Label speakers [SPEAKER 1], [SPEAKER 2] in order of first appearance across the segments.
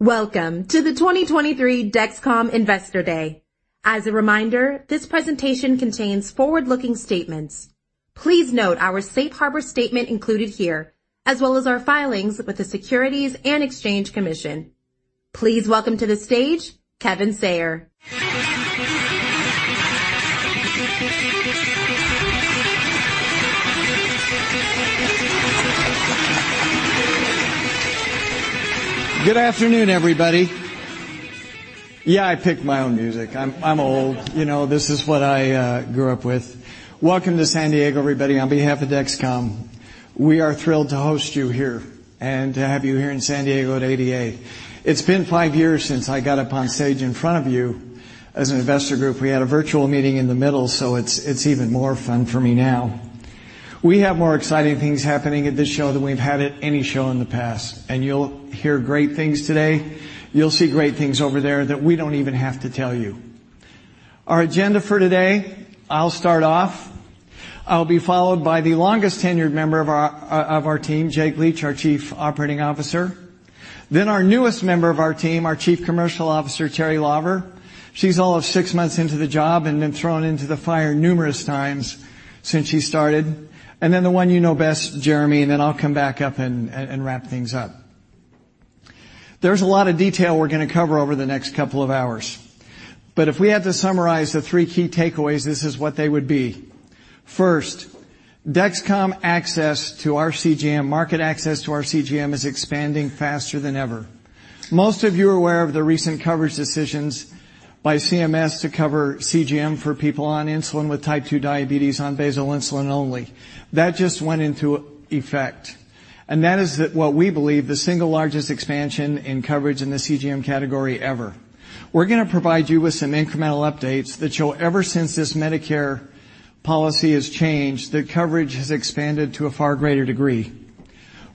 [SPEAKER 1] Welcome to the 2023 Dexcom Investor Day. As a reminder, this presentation contains forward-looking statements. Please note our safe harbor statement included here, as well as our filings with the Securities and Exchange Commission. Please welcome to the stage, Kevin Sayer.
[SPEAKER 2] Good afternoon, everybody. Yeah, I picked my own music. I'm old. You know, this is what I grew up with. Welcome to San Diego, everybody, on behalf of Dexcom. We are thrilled to host you here and to have you here in San Diego at ADA. It's been five years since I got up on stage in front of you as an investor group. We had a virtual meeting in the middle, it's even more fun for me now. We have more exciting things happening at this show than we've had at any show in the past, you'll hear great things today. You'll see great things over there that we don't even have to tell you. Our agenda for today, I'll start off. I'll be followed by the longest-tenured member of our team, Jake Leach, our Chief Operating Officer. Our newest member of our team, our Chief Commercial Officer, Teri Lawver. She's all of six months into the job and been thrown into the fire numerous times since she started. The one you know best, Jeremy, and then I'll come back up and wrap things up. There's a lot of detail we're going to cover over the next couple of hours, but if we had to summarize the three key takeaways, this is what they would be. First, market access to our CGM is expanding faster than ever. Most of you are aware of the recent coverage decisions by CMS to cover CGM for people on insulin with Type 2 diabetes, on basal insulin only. That just went into effect, and that is what we believe, the single largest expansion in coverage in the CGM category ever. We're gonna provide you with some incremental updates that show ever since this Medicare policy has changed, the coverage has expanded to a far greater degree.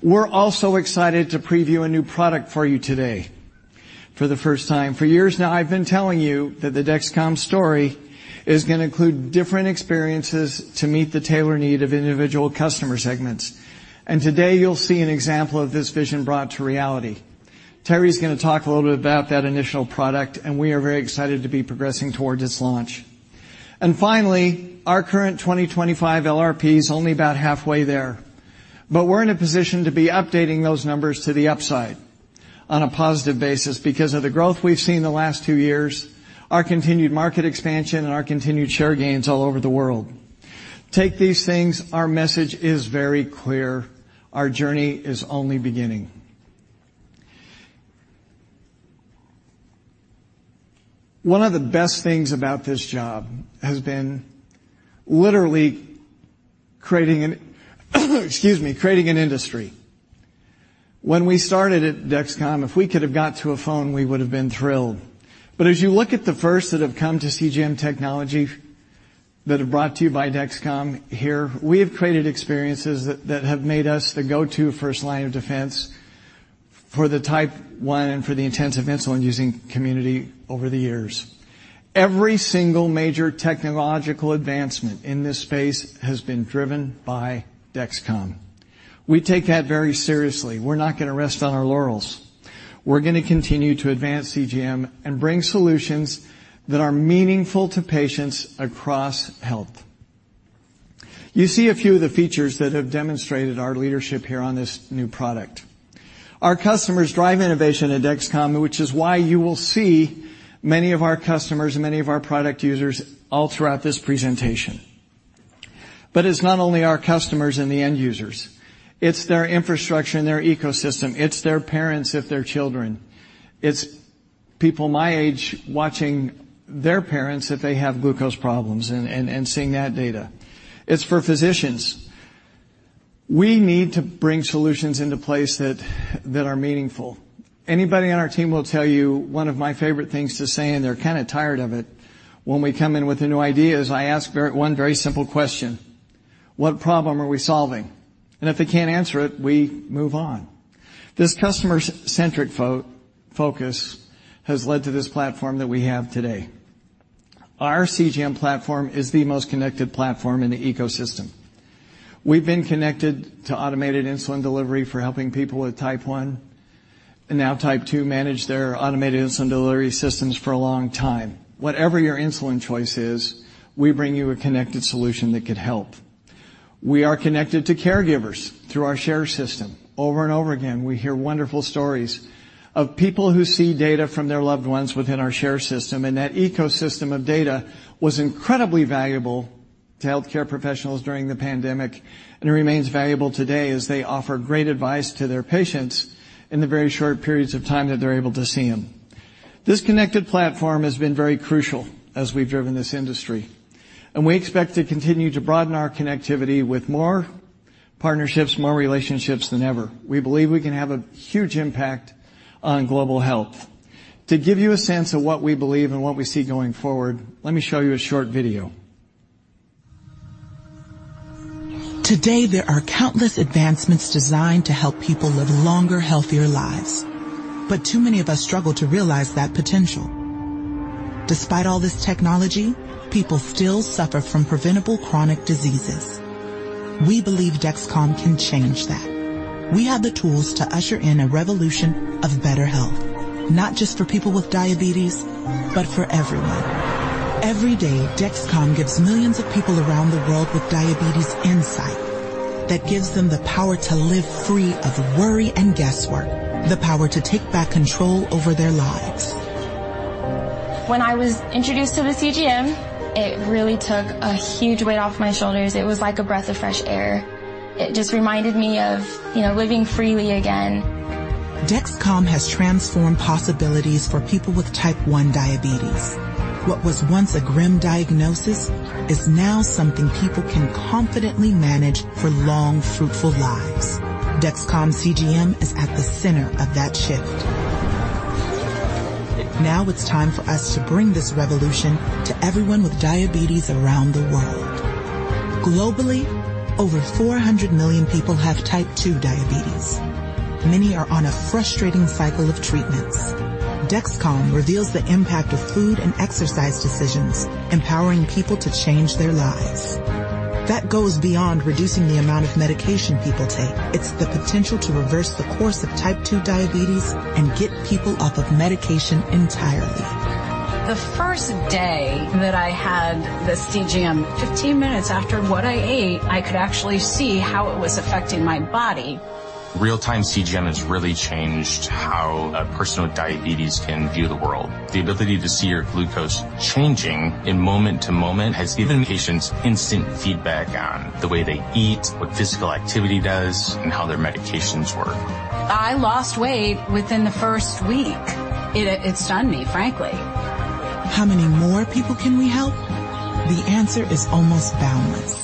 [SPEAKER 2] We're also excited to preview a new product for you today for the first time. For years now, I've been telling you that the Dexcom story is gonna include different experiences to meet the tailor need of individual customer segments. Today, you'll see an example of this vision brought to reality. Teri's gonna talk a little bit about that initial product. We are very excited to be progressing towards its launch. Finally, our current 2025 LRP is only about halfway there, we're in a position to be updating those numbers to the upside on a positive basis because of the growth we've seen in the last two years, our continued market expansion, and our continued share gains all over the world. Take these things, our message is very clear: Our journey is only beginning. One of the best things about this job has been literally excuse me, creating an industry. When we started at Dexcom, if we could have got to a phone, we would have been thrilled. As you look at the first that have come to CGM technology that are brought to you by Dexcom here, we have created experiences that have made us the go-to first line of defense for the Type 1 and for the intensive insulin-using community over the years. Every single major technological advancement in this space has been driven by Dexcom. We take that very seriously. We're not gonna rest on our laurels. We're gonna continue to advance CGM and bring solutions that are meaningful to patients across health. You see a few of the features that have demonstrated our leadership here on this new product. Our customers drive innovation at Dexcom, which is why you will see many of our customers and many of our product users all throughout this presentation. It's not only our customers and the end users, it's their infrastructure and their ecosystem, it's their parents, if they're children, it's people my age watching their parents if they have glucose problems and seeing that data. It's for physicians. We need to bring solutions into place that are meaningful. Anybody on our team will tell you one of my favorite things to say, and they're kinda tired of it, when we come in with the new ideas, I ask one very simple question: What problem are we solving? If they can't answer it, we move on. This customer-centric focus has led to this platform that we have today. Our CGM platform is the most connected platform in the ecosystem. We've been connected to automated insulin delivery for helping people with Type 1 and now Type 2, manage their automated insulin delivery systems for a long time. Whatever your insulin choice is, we bring you a connected solution that could help. We are connected to caregivers through our share system. Over and over again, we hear wonderful stories of people who see data from their loved ones within our share system. That ecosystem of data was incredibly valuable to healthcare professionals during the pandemic, and it remains valuable today as they offer great advice to their patients in the very short periods of time that they're able to see them. This connected platform has been very crucial as we've driven this industry, and we expect to continue to broaden our connectivity with more partnerships, more relationships than ever. We believe we can have a huge impact on global health. To give you a sense of what we believe and what we see going forward, let me show you a short video.
[SPEAKER 3] Today, there are countless advancements designed to help people live longer, healthier lives, but too many of us struggle to realize that potential. Despite all this technology, people still suffer from preventable chronic diseases. We believe Dexcom can change that. We have the tools to usher in a revolution of better health, not just for people with diabetes, but for everyone. Every day, Dexcom gives millions of people around the world with diabetes insight that gives them the power to live free of worry and guesswork, the power to take back control over their lives. When I was introduced to the CGM, it really took a huge weight off my shoulders. It was like a breath of fresh air. It just reminded me of, you know, living freely again. Dexcom has transformed possibilities for people with Type 1 diabetes. What was once a grim diagnosis is now something people can confidently manage for long, fruitful lives. Dexcom CGM is at the center of that shift. It's time for us to bring this revolution to everyone with diabetes around the world. Globally, over 400 million people have Type 2 diabetes. Many are on a frustrating cycle of treatments. Dexcom reveals the impact of food and exercise decisions, empowering people to change their lives. That goes beyond reducing the amount of medication people take. It's the potential to reverse the course of Type 2 diabetes and get people off of medication entirely. The first day that I had this CGM, 15 minutes after what I ate, I could actually see how it was affecting my body.
[SPEAKER 4] Real-time CGM has really changed how a person with diabetes can view the world. The ability to see your glucose changing in moment to moment has given patients instant feedback on the way they eat, what physical activity does, and how their medications work. I lost weight within the first week. It stunned me, frankly.
[SPEAKER 3] How many more people can we help? The answer is almost boundless.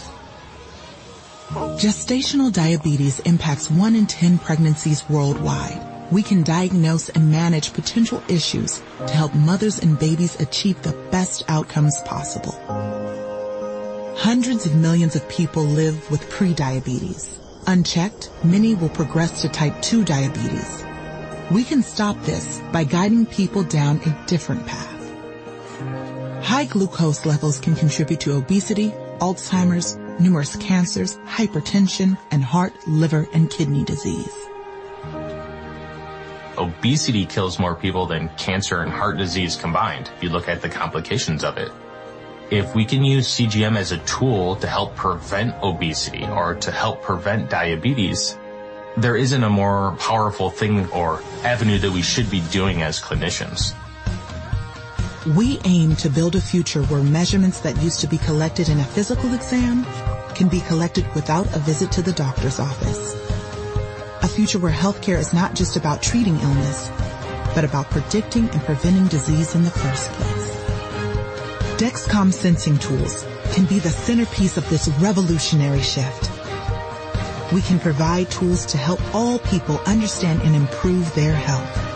[SPEAKER 3] Gestational diabetes impacts one in 10 pregnancies worldwide. We can diagnose and manage potential issues to help mothers and babies achieve the best outcomes possible. Hundreds of millions of people live with prediabetes. Unchecked, many will progress to Type 2 diabetes. We can stop this by guiding people down a different path. High glucose levels can contribute to obesity, Alzheimer's, numerous cancers, hypertension, and heart, liver, and kidney disease.
[SPEAKER 4] Obesity kills more people than cancer and heart disease combined, if you look at the complications of it. If we can use CGM as a tool to help prevent obesity or to help prevent diabetes, there isn't a more powerful thing or avenue that we should be doing as clinicians.
[SPEAKER 3] We aim to build a future where measurements that used to be collected in a physical exam can be collected without a visit to the doctor's office. A future where healthcare is not just about treating illness, but about predicting and preventing disease in the first place. Dexcom sensing tools can be the centerpiece of this revolutionary shift. We can provide tools to help all people understand and improve their health.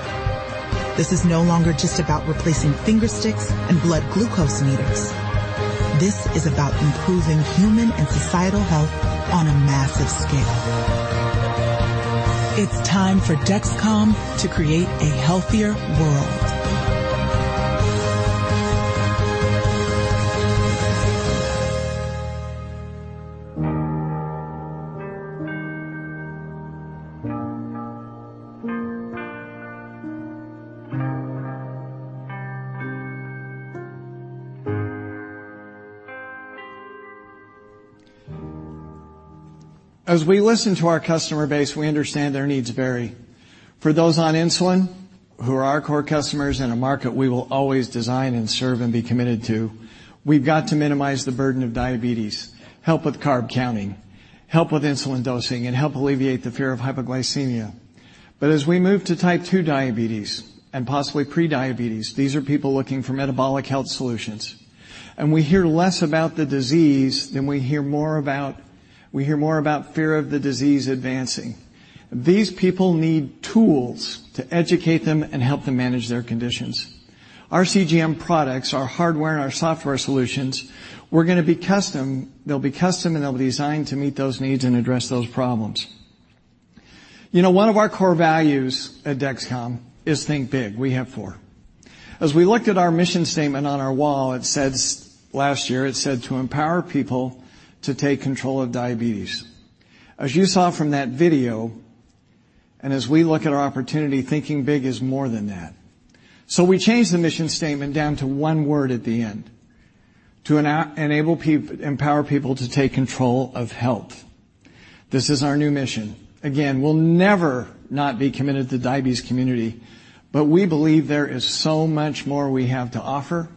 [SPEAKER 3] This is no longer just about replacing finger sticks and blood glucose meters. This is about improving human and societal health on a massive scale. It's time for Dexcom to create a healthier world.
[SPEAKER 2] As we listen to our customer base, we understand their needs vary. For those on insulin, who are our core customers in a market we will always design and serve and be committed to, we've got to minimize the burden of diabetes, help with carb counting, help with insulin dosing, and help alleviate the fear of hypoglycemia. As we move to Type 2 diabetes and possibly prediabetes, these are people looking for metabolic health solutions, and we hear less about the disease than we hear more about fear of the disease advancing. These people need tools to educate them and help them manage their conditions. Our CGM products, our hardware, and our software solutions, They'll be custom, and they'll be designed to meet those needs and address those problems. You know, one of our core values at Dexcom is Think Big. We have four. As we looked at our mission statement on our wall, it says last year, it said, "To empower people to take control of diabetes." As you saw from that video, and as we look at our opportunity, thinking big is more than that. We changed the mission statement down to one word at the end, "Empower people to take control of health." This is our new mission. Again, we'll never not be committed to the diabetes community, but we believe there is so much more we have to offer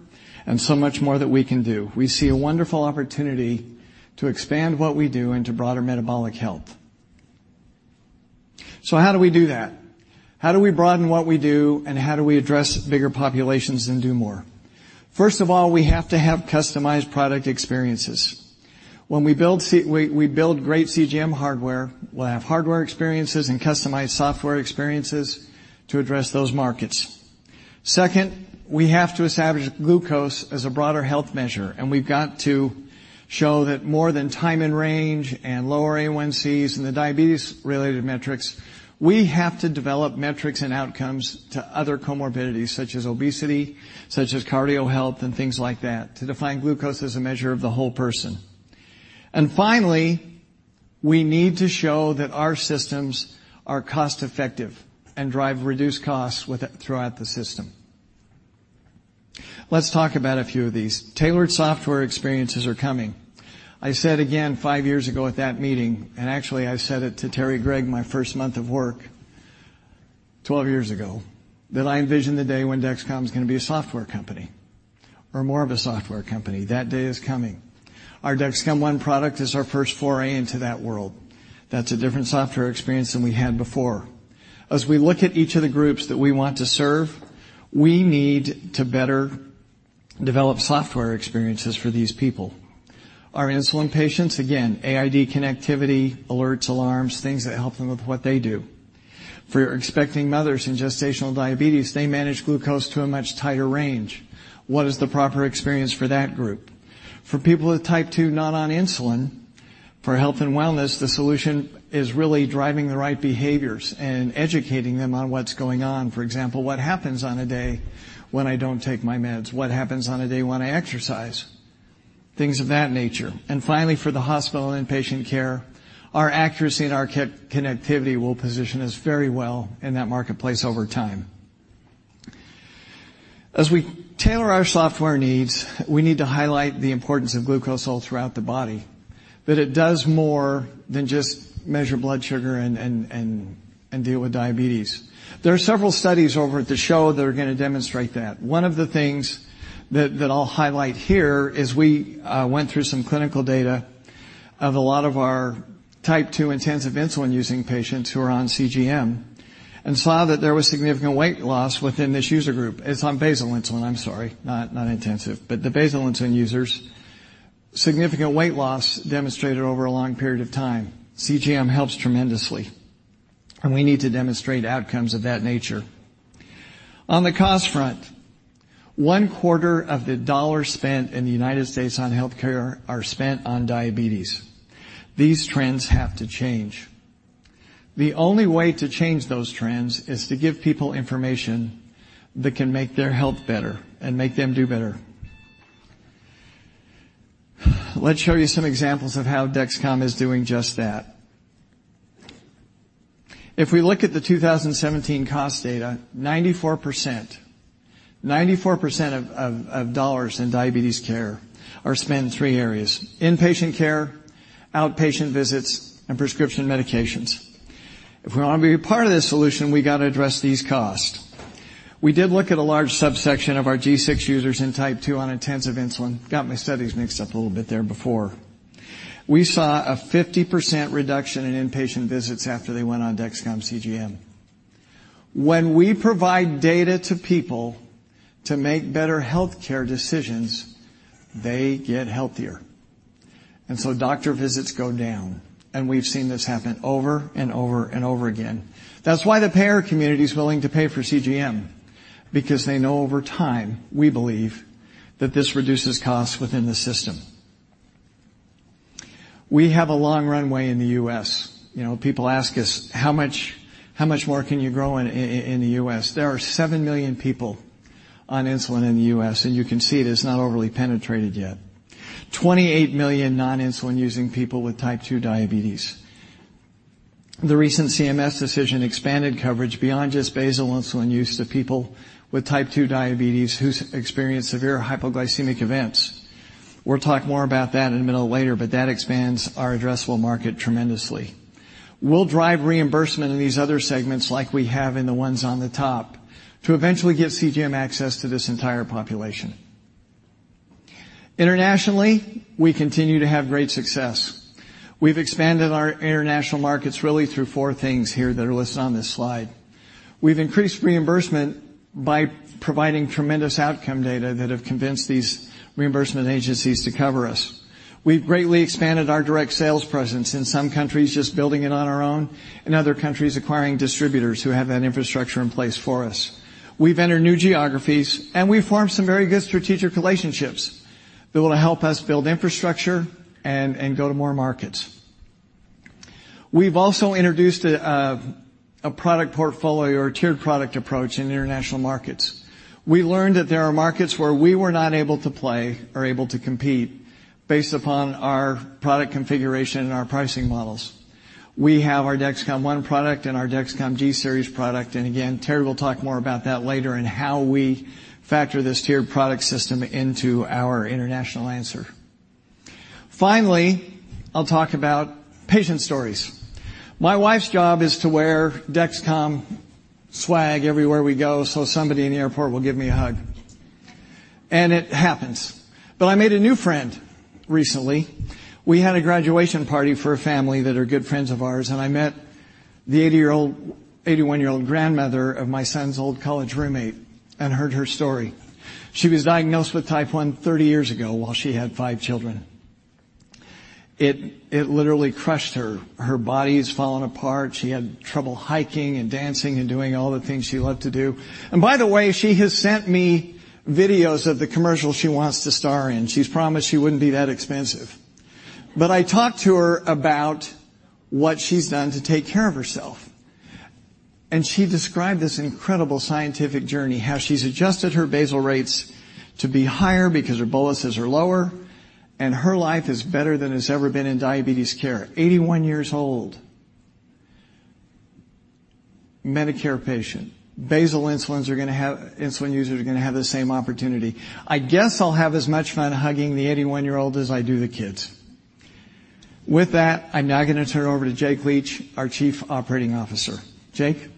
[SPEAKER 2] and so much more that we can do. We see a wonderful opportunity to expand what we do into broader metabolic health. How do we do that? How do we broaden what we do, and how do we address bigger populations and do more? First of all, we have to have customized product experiences. When we build great CGM hardware, we'll have hardware experiences and customized software experiences to address those markets. Second, we have to establish glucose as a broader health measure, and we've got to show that more than time and range and lower A1Cs and the diabetes-related metrics, we have to develop metrics and outcomes to other comorbidities, such as obesity, such as cardio health, and things like that, to define glucose as a measure of the whole person. Finally, we need to show that our systems are cost-effective and drive reduced costs throughout the system. Let's talk about a few of these. Tailored software experiences are coming. I said again five years ago at that meeting, and actually I said it to Terry Gregg, my first month of work, 12 years ago, that I envision the day when Dexcom is gonna be a software company or more of a software company. That day is coming. Our Dexcom ONE product is our first foray into that world. That's a different software experience than we had before. As we look at each of the groups that we want to serve, we need to better develop software experiences for these people. Our insulin patients, again, AID, connectivity, alerts, alarms, things that help them with what they do. For expecting mothers in gestational diabetes, they manage glucose to a much tighter range. What is the proper experience for that group? For people with Type 2, not on insulin, for health and wellness, the solution is really driving the right behaviors and educating them on what's going on. For example, what happens on a day when I don't take my meds? What happens on a day when I exercise? Things of that nature. Finally, for the hospital and inpatient care, our accuracy and our connectivity will position us very well in that marketplace over time. As we tailor our software needs, we need to highlight the importance of glucose all throughout the body, that it does more than just measure blood sugar and deal with diabetes. There are several studies over at the show that are gonna demonstrate that. One of the things that I'll highlight here is we went through some clinical data of a lot of our Type 2 intensive insulin-using patients who are on CGM and saw that there was significant weight loss within this user group. It's on basal insulin. I'm sorry, not intensive, but the basal insulin users, significant weight loss demonstrated over a long period of time. CGM helps tremendously, we need to demonstrate outcomes of that nature. On the cost front, one quarter of the dollars spent in the United States on healthcare are spent on diabetes. These trends have to change. The only way to change those trends is to give people information that can make their health better and make them do better. Let's show you some examples of how Dexcom is doing just that. We look at the 2017 cost data, 94%, 94% of dollars in diabetes care are spent in three areas: inpatient care, outpatient visits, and prescription medications. We want to be a part of this solution, we got to address these costs. We did look at a large subsection of our G6 users in Type 2 on intensive insulin. Got my studies mixed up a little bit there before. We saw a 50% reduction in inpatient visits after they went on Dexcom CGM. When we provide data to people to make better healthcare decisions, they get healthier, so doctor visits go down, and we've seen this happen over, and over, and over again. That's why the payer community is willing to pay for CGM because they know over time, we believe, that this reduces costs within the system. We have a long runway in the U.S. You know, people ask us: "How much more can you grow in the U.S.?" There are 7 million people on insulin in the U.S., and you can see it is not overly penetrated yet. 28 million non-insulin using people with Type 2 diabetes. The recent CMS decision expanded coverage beyond just basal insulin use to people with Type 2 diabetes whose experience severe hypoglycemic events. We'll talk more about that in a minute later, that expands our addressable market tremendously. We'll drive reimbursement in these other segments like we have in the ones on the top, to eventually get CGM access to this entire population. Internationally, we continue to have great success. We've expanded our international markets really through four things here that are listed on this slide. We've increased reimbursement by providing tremendous outcome data that have convinced these reimbursement agencies to cover us. We've greatly expanded our direct sales presence in some countries, just building it on our own, and other countries, acquiring distributors who have that infrastructure in place for us. We've entered new geographies, we've formed some very good strategic relationships that will help us build infrastructure and go to more markets. We've also introduced a product portfolio or a tiered product approach in international markets. We learned that there are markets where we were not able to play or able to compete based upon our product configuration and our pricing models. We have our Dexcom ONE product and our Dexcom G-series product, again, Teri Lawver will talk more about that later and how we factor this tiered product system into our international answer. Finally, I'll talk about patient stories. My wife's job is to wear Dexcom swag everywhere we go, so somebody in the airport will give me a hug, and it happens. I made a new friend recently. We had a graduation party for a family that are good friends of ours, and I met the 81-year-old grandmother of my son's old college roommate and heard her story. She was diagnosed with Type 1 30 years ago while she had 5 children. It literally crushed her. Her body is falling apart. She had trouble hiking, and dancing, and doing all the things she loved to do. By the way, she has sent me videos of the commercial she wants to star in. She's promised she wouldn't be that expensive. I talked to her about what she's done to take care of herself. She described this incredible scientific journey, how she's adjusted her basal rates to be higher because her boluses are lower, and her life is better than it's ever been in diabetes care. 81 years old, Medicare patient. Insulin users are gonna have the same opportunity. I guess I'll have as much fun hugging the 81-year-old as I do the kids. With that, I'm now gonna turn it over to Jake Leach, our Chief Operating Officer. Jake?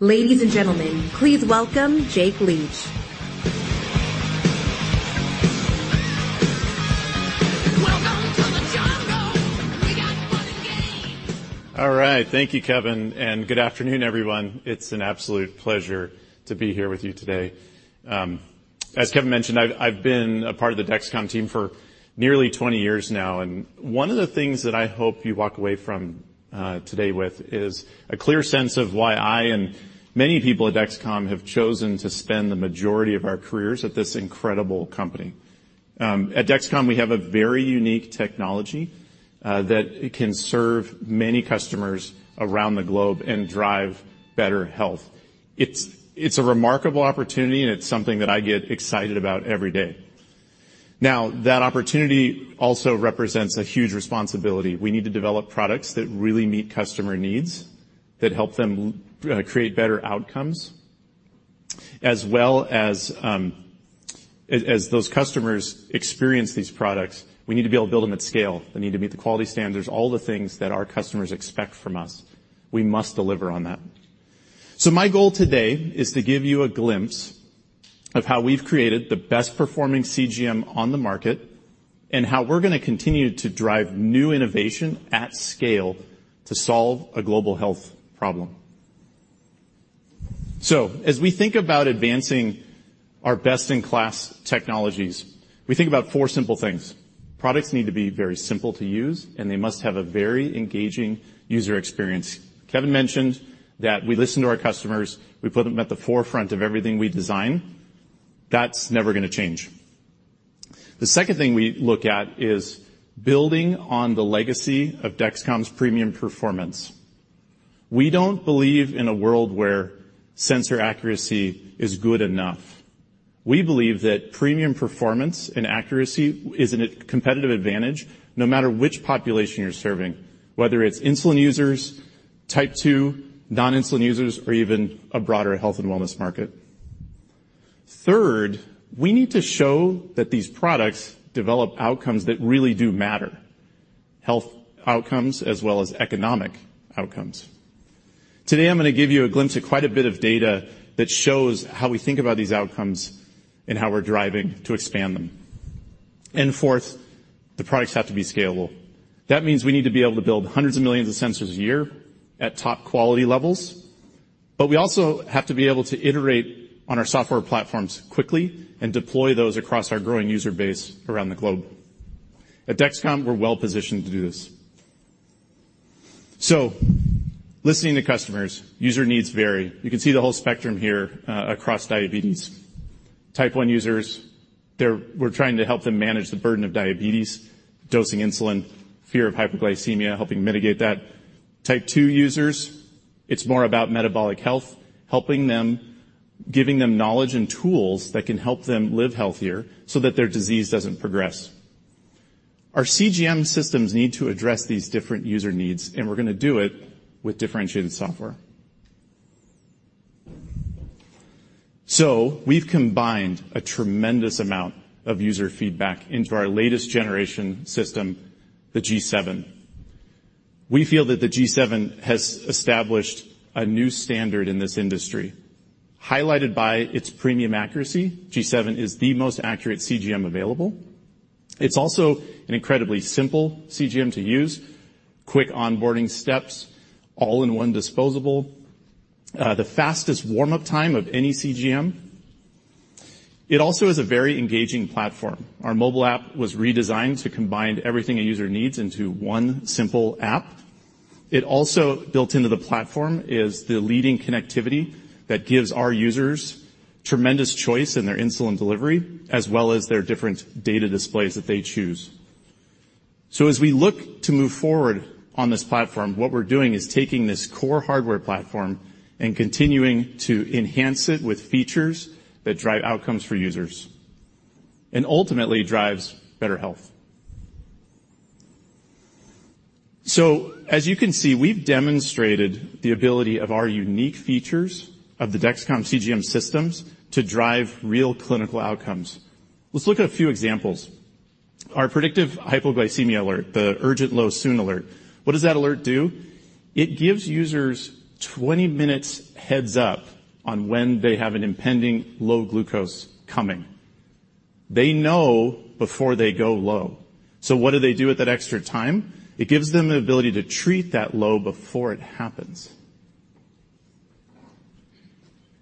[SPEAKER 1] Ladies and gentlemen, please welcome Jake Leach.
[SPEAKER 5] All right. Thank you, Kevin. Good afternoon, everyone. It's an absolute pleasure to be here with you today. As Kevin mentioned, I've been a part of the Dexcom team for nearly 20 years now. One of the things that I hope you walk away from today with is a clear sense of why I and many people at Dexcom have chosen to spend the majority of our careers at this incredible company. At Dexcom, we have a very unique technology that can serve many customers around the globe and drive better health. It's a remarkable opportunity, and it's something that I get excited about every day. That opportunity also represents a huge responsibility. We need to develop products that really meet customer needs, that help them create better outcomes, as well as those customers experience these products, we need to be able to build them at scale. They need to meet the quality standards, all the things that our customers expect from us. We must deliver on that. My goal today is to give you a glimpse of how we've created the best-performing CGM on the market, and how we're gonna continue to drive new innovation at scale to solve a global health problem. As we think about advancing our best-in-class technologies, we think about four simple things. Products need to be very simple to use, and they must have a very engaging user experience. Kevin mentioned that we listen to our customers. We put them at the forefront of everything we design. That's never gonna change. The second thing we look at is building on the legacy of Dexcom's premium performance. We don't believe in a world where sensor accuracy is good enough. We believe that premium performance and accuracy is a competitive advantage, no matter which population you're serving, whether it's insulin users, Type 2, non-insulin users, or even a broader health and wellness market. Third, we need to show that these products develop outcomes that really do matter, health outcomes as well as economic outcomes. Today, I'm gonna give you a glimpse at quite a bit of data that shows how we think about these outcomes and how we're driving to expand them. Fourth, the products have to be scalable. That means we need to be able to build hundreds of millions of sensors a year at top quality levels, we also have to be able to iterate on our software platforms quickly and deploy those across our growing user base around the globe. At Dexcom, we're well-positioned to do this. Listening to customers, user needs vary. You can see the whole spectrum here, across diabetes. Type 1 users, we're trying to help them manage the burden of diabetes, dosing insulin, fear of hypoglycemia, helping mitigate that. Type 2 users, it's more about metabolic health, helping them, giving them knowledge and tools that can help them live healthier so that their disease doesn't progress. Our CGM systems need to address these different user needs, we're gonna do it with differentiated software. We've combined a tremendous amount of user feedback into our latest generation system, the G7. We feel that the G7 has established a new standard in this industry, highlighted by its premium accuracy. G7 is the most accurate CGM available. It's also an incredibly simple CGM to use, quick onboarding steps, all-in-one disposable, the fastest warm-up time of any CGM. It also is a very engaging platform. Our mobile app was redesigned to combine everything a user needs into one simple app. It also, built into the platform, is the leading connectivity that gives our users tremendous choice in their insulin delivery, as well as their different data displays that they choose. As we look to move forward on this platform, what we're doing is taking this core hardware platform and continuing to enhance it with features that drive outcomes for users and ultimately drives better health. As you can see, we've demonstrated the ability of our unique features of the Dexcom CGM systems to drive real clinical outcomes. Let's look at a few examples. Our Predictive Hypoglycemia Alert, the Urgent Low Soon alert. What does that alert do? It gives users 20 minutes heads-up on when they have an impending low glucose coming. They know before they go low. What do they do with that extra time? It gives them the ability to treat that low before it happens.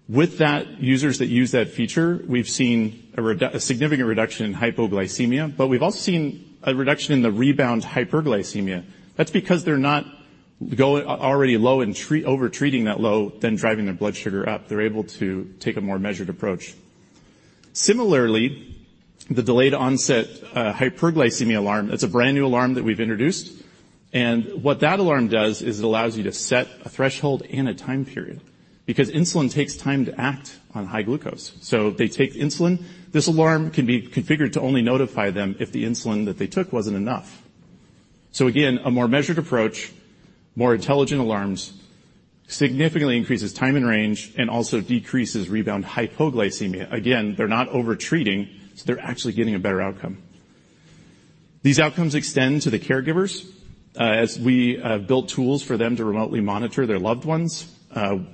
[SPEAKER 5] With that, users that use that feature, we've seen a significant reduction in hypoglycemia, but we've also seen a reduction in the rebound hyperglycemia. That's because they're not already low and treat, over treating that low, driving their blood sugar up. They're able to take a more measured approach. similarly, the delayed onset, hyperglycemia alarm, that's a brand new alarm that we've introduced. What that alarm does is it allows you to set a threshold and a time period, because insulin takes time to act on high glucose. They take insulin. This alarm can be configured to only notify them if the insulin that they took wasn't enough. Again, a more measured approach, more intelligent alarms, significantly increases time and range and also decreases rebound hypoglycemia. Again, they're not over-treating, so they're actually getting a better outcome. These outcomes extend to the caregivers, as we built tools for them to remotely monitor their loved ones.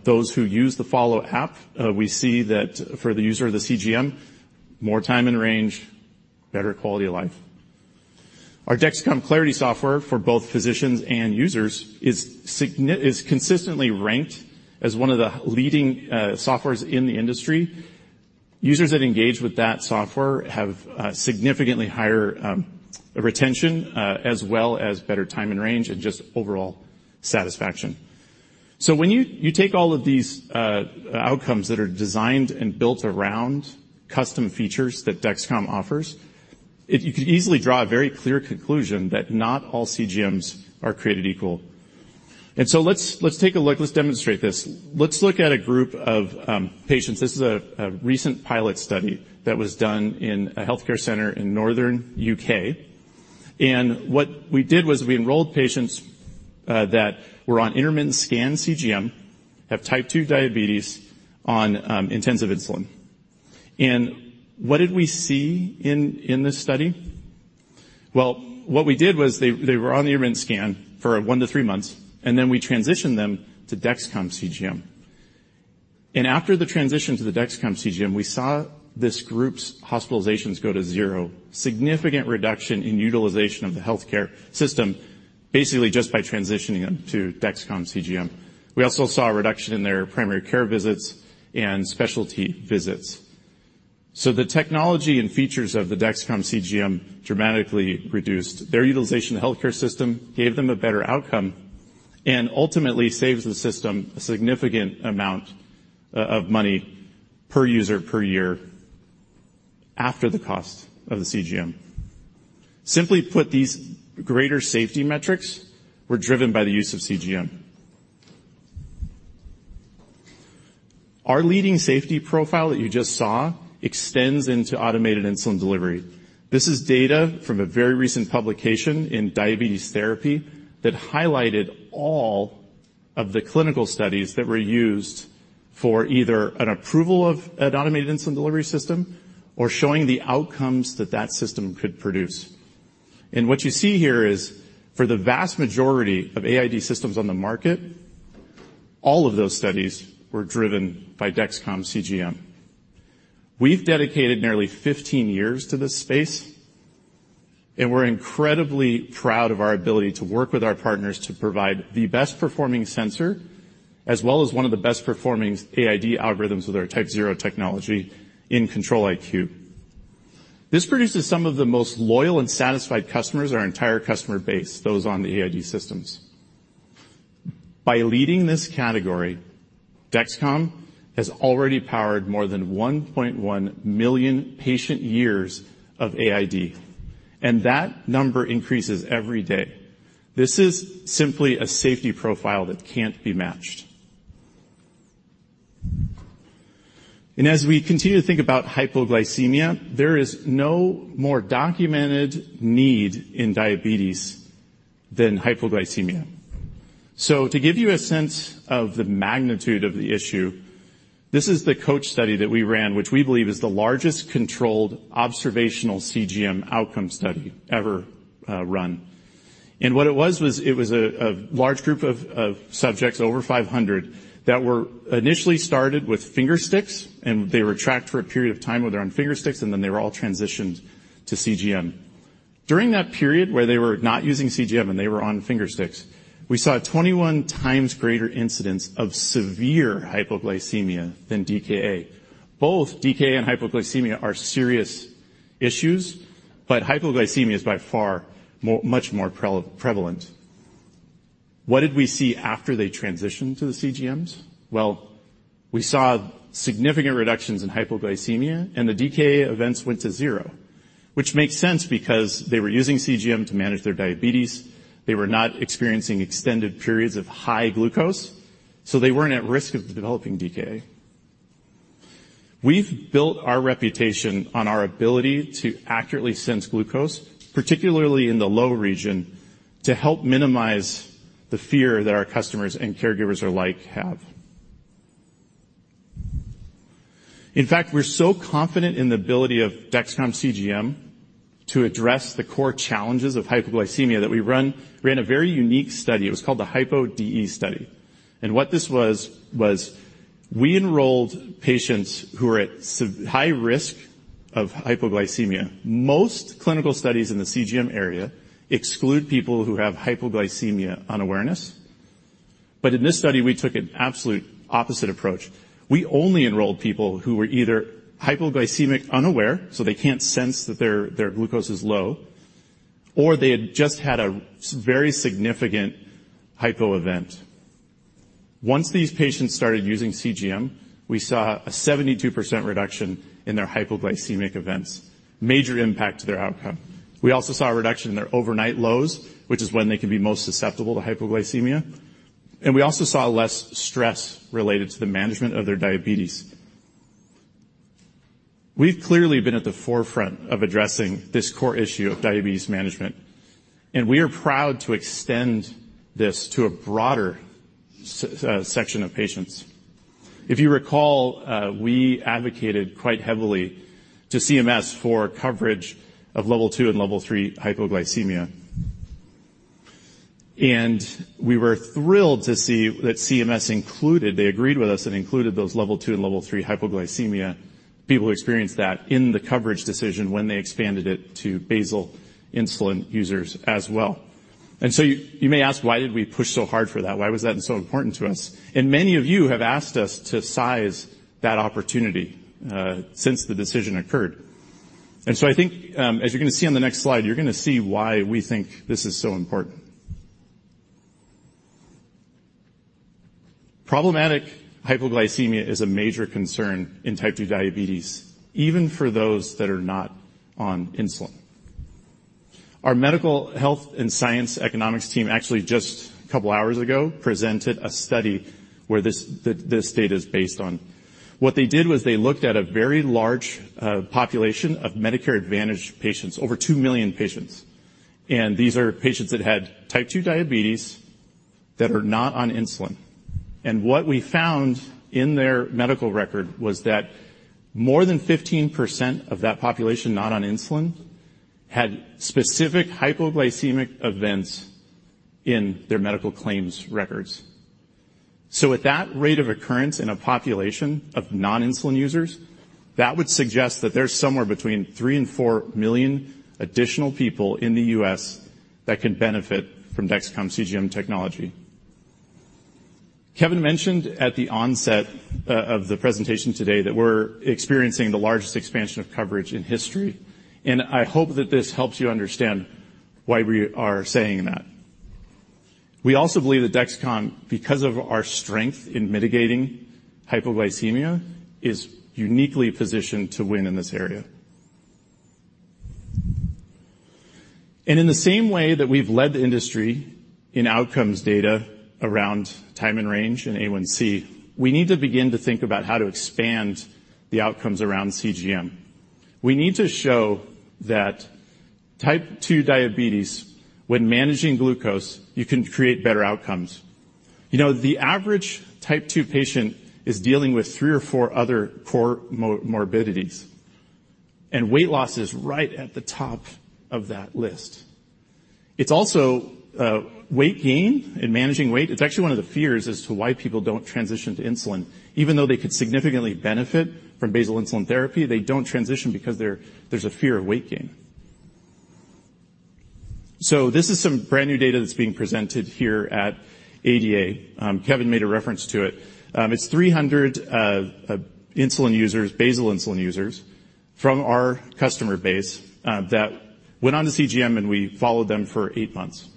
[SPEAKER 5] Those who use the Follow app, we see that for the user of the CGM, more time and range, better quality of life. Our Dexcom Clarity software for both physicians and users is consistently ranked as one of the leading softwares in the industry. Users that engage with that software have significantly higher retention, as well as better time and range and just overall satisfaction. When you take all of these outcomes that are designed and built around custom features that Dexcom offers, you could easily draw a very clear conclusion that not all CGMs are created equal. Let's take a look. Let's demonstrate this. Let's look at a group of patients. This is a recent pilot study that was done in a healthcare center in northern U.K. What we did was we enrolled patients that were on intermittent scan CGM, have Type 2 diabetes on intensive insulin. What did we see in this study? What we did was they were on the intermittent scan for 1 to 3 months, and then we transitioned them to Dexcom CGM. After the transition to the Dexcom CGM, we saw this group's hospitalizations go to zero. Significant reduction in utilization of the healthcare system, basically just by transitioning them to Dexcom CGM. We also saw a reduction in their primary care visits and specialty visits. The technology and features of the Dexcom CGM dramatically reduced their utilization of the healthcare system, gave them a better outcome, and ultimately saves the system a significant amount of money, per user, per year, after the cost of the CGM. Simply put, these greater safety metrics were driven by the use of CGM. Our leading safety profile that you just saw extends into automated insulin delivery. This is data from a very recent publication in Diabetes Therapy that highlighted all of the clinical studies that were used for either an approval of an automated insulin delivery system or showing the outcomes that that system could produce. What you see here is, for the vast majority of AID systems on the market, all of those studies were driven by Dexcom CGM. We've dedicated nearly 15 years to this space, and we're incredibly proud of our ability to work with our partners to provide the best-performing sensor, as well as one of the best-performing AID algorithms with our TypeZero technology in Control-IQ. This produces some of the most loyal and satisfied customers in our entire customer base, those on the AID systems. By leading this category, Dexcom has already powered more than 1.1 million patient-years of AID, and that number increases every day. This is simply a safety profile that can't be matched. As we continue to think about hypoglycemia, there is no more documented need in diabetes than hypoglycemia. To give you a sense of the magnitude of the issue, this is the COACH study that we ran, which we believe is the largest controlled observational CGM outcome study ever run. What it was, it was a large group of subjects, over 500, that were initially started with finger sticks, and they were tracked for a period of time where they're on finger sticks, and then they were all transitioned to CGM. During that period, where they were not using CGM, and they were on finger sticks, we saw a 21 times greater incidence of severe hypoglycemia than DKA. Both DKA and hypoglycemia are serious issues, but hypoglycemia is by far more, much more prevalent. What did we see after they transitioned to the CGMs? We saw significant reductions in hypoglycemia, and the DKA events went to 0, which makes sense because they were using CGM to manage their diabetes. They were not experiencing extended periods of high glucose, so they weren't at risk of developing DKA. We've built our reputation on our ability to accurately sense glucose, particularly in the low region, to help minimize the fear that our customers and caregivers alike have. In fact, we're so confident in the ability of Dexcom CGM to address the core challenges of hypoglycemia that we ran a very unique study. It was called the HypoDE study, and what this was we enrolled patients who were at high risk of hypoglycemia. Most clinical studies in the CGM area exclude people who have hypoglycemia unawareness. In this study, we took an absolute opposite approach. We only enrolled people who were either hypoglycemic unaware, so they can't sense that their glucose is low, or they had just had a very significant hypo event. Once these patients started using CGM, we saw a 72% reduction in their hypoglycemic events, major impact to their outcome. We also saw a reduction in their overnight lows, which is when they can be most susceptible to hypoglycemia. We also saw less stress related to the management of their diabetes. We've clearly been at the forefront of addressing this core issue of diabetes management, and we are proud to extend this to a broader section of patients. If you recall, we advocated quite heavily to CMS for coverage of level 2 and level 3 hypoglycemia. We were thrilled to see that they agreed with us, included those level 2 and level 3 hypoglycemia. People experienced that in the coverage decision when they expanded it to basal insulin users as well. You may ask, why did we push so hard for that? Why was that so important to us? Many of you have asked us to size that opportunity since the decision occurred. I think, as you're gonna see on the next slide, you're gonna see why we think this is so important. Problematic hypoglycemia is a major concern in Type 2 diabetes, even for those that are not on insulin. Our medical health and science economics team, actually just a couple of hours ago, presented a study where this, that this data is based on. What they did was they looked at a very large population of Medicare Advantage patients, over 2 million patients. These are patients that had Type 2 diabetes that are not on insulin. What we found in their medical record was that more than 15% of that population, not on insulin, had specific hypoglycemic events in their medical claims records. At that rate of occurrence in a population of non-insulin users, that would suggest that there's somewhere between 3 million-4 million additional people in the U.S. that can benefit from Dexcom CGM technology. Kevin mentioned at the onset of the presentation today that we're experiencing the largest expansion of coverage in history. I hope that this helps you understand why we are saying that. We also believe that Dexcom, because of our strength in mitigating hypoglycemia, is uniquely positioned to win in this area. In the same way that we've led the industry in outcomes data around time and range and A1C, we need to begin to think about how to expand the outcomes around CGM. We need to show that Type 2 diabetes, when managing glucose, you can create better outcomes. You know, the average Type 2 patient is dealing with 3 or 4 other core morbidities, and weight loss is right at the top of that list. It's also weight gain and managing weight. It's actually one of the fears as to why people don't transition to insulin. Even though they could significantly benefit from basal insulin therapy, they don't transition because there's a fear of weight gain. This is some brand-new data that's being presented here at ADA. Kevin made a reference to it. It's 300 insulin users, basal insulin users from our customer base, that went on to CGM, and we followed them for 8 months.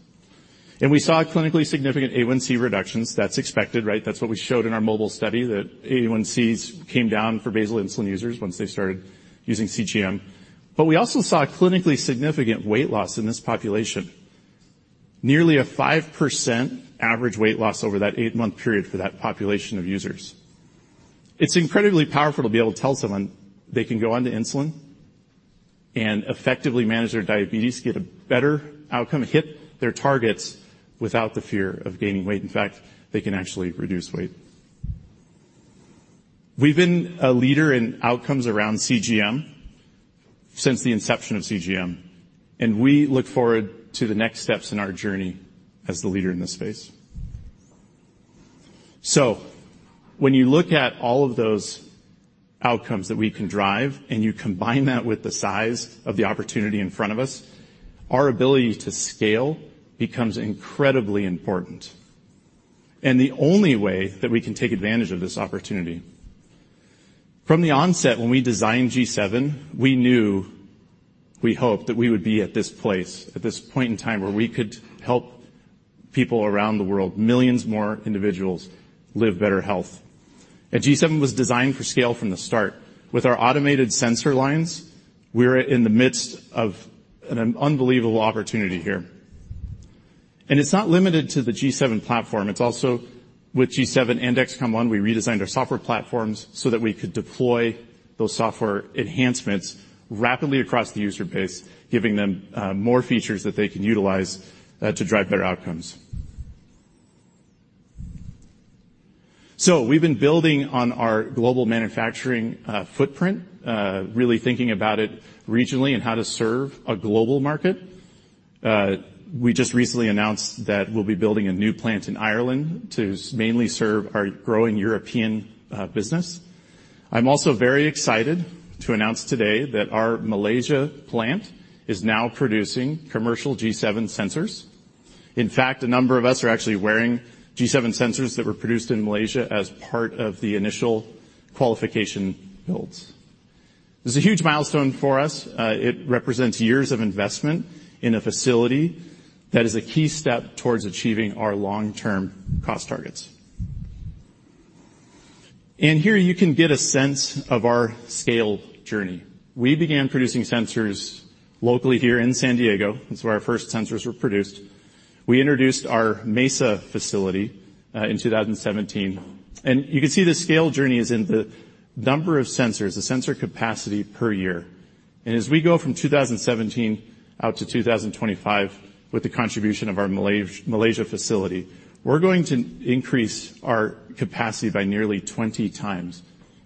[SPEAKER 5] We saw a clinically significant A1C reductions. That's expected, right? That's what we showed in our MOBILE study, that A1Cs came down for basal insulin users once they started using CGM. We also saw a clinically significant weight loss in this population. Nearly a 5% average weight loss over that 8-month period for that population of users. It's incredibly powerful to be able to tell someone they can go on to insulin and effectively manage their diabetes, get a better outcome, and hit their targets without the fear of gaining weight. In fact, they can actually reduce weight. We've been a leader in outcomes around CGM since the inception of CGM. We look forward to the next steps in our journey as the leader in this space. When you look at all of those outcomes that we can drive, and you combine that with the size of the opportunity in front of us, our ability to scale becomes incredibly important, and the only way that we can take advantage of this opportunity. From the onset, when we designed G7, we knew, we hoped that we would be at this place, at this point in time, where we could help people around the world, millions more individuals, live better health. G7 was designed for scale from the start. With our automated sensor lines, we're in the midst of an unbelievable opportunity here. It's not limited to the G7 platform. It's also with G7 and Dexcom ONE. We redesigned our software platforms so that we could deploy those software enhancements rapidly across the user base, giving them more features that they can utilize to drive better outcomes. We've been building on our global manufacturing footprint, really thinking about it regionally and how to serve a global market. We just recently announced that we'll be building a new plant in Ireland to mainly serve our growing European business. I'm also very excited to announce today that our Malaysia plant is now producing commercial G7 sensors. In fact, a number of us are actually wearing G7 sensors that were produced in Malaysia as part of the initial qualification builds. This is a huge milestone for us. It represents years of investment in a facility that is a key step towards achieving our long-term cost targets. Here you can get a sense of our scale journey. We began producing sensors locally here in San Diego. That's where our first sensors were produced. We introduced our Mesa facility in 2017, and you can see the scale journey is in the number of sensors, the sensor capacity per year. As we go from 2017 out to 2025, with the contribution of our Malaysia facility, we're going to increase our capacity by nearly 20 times,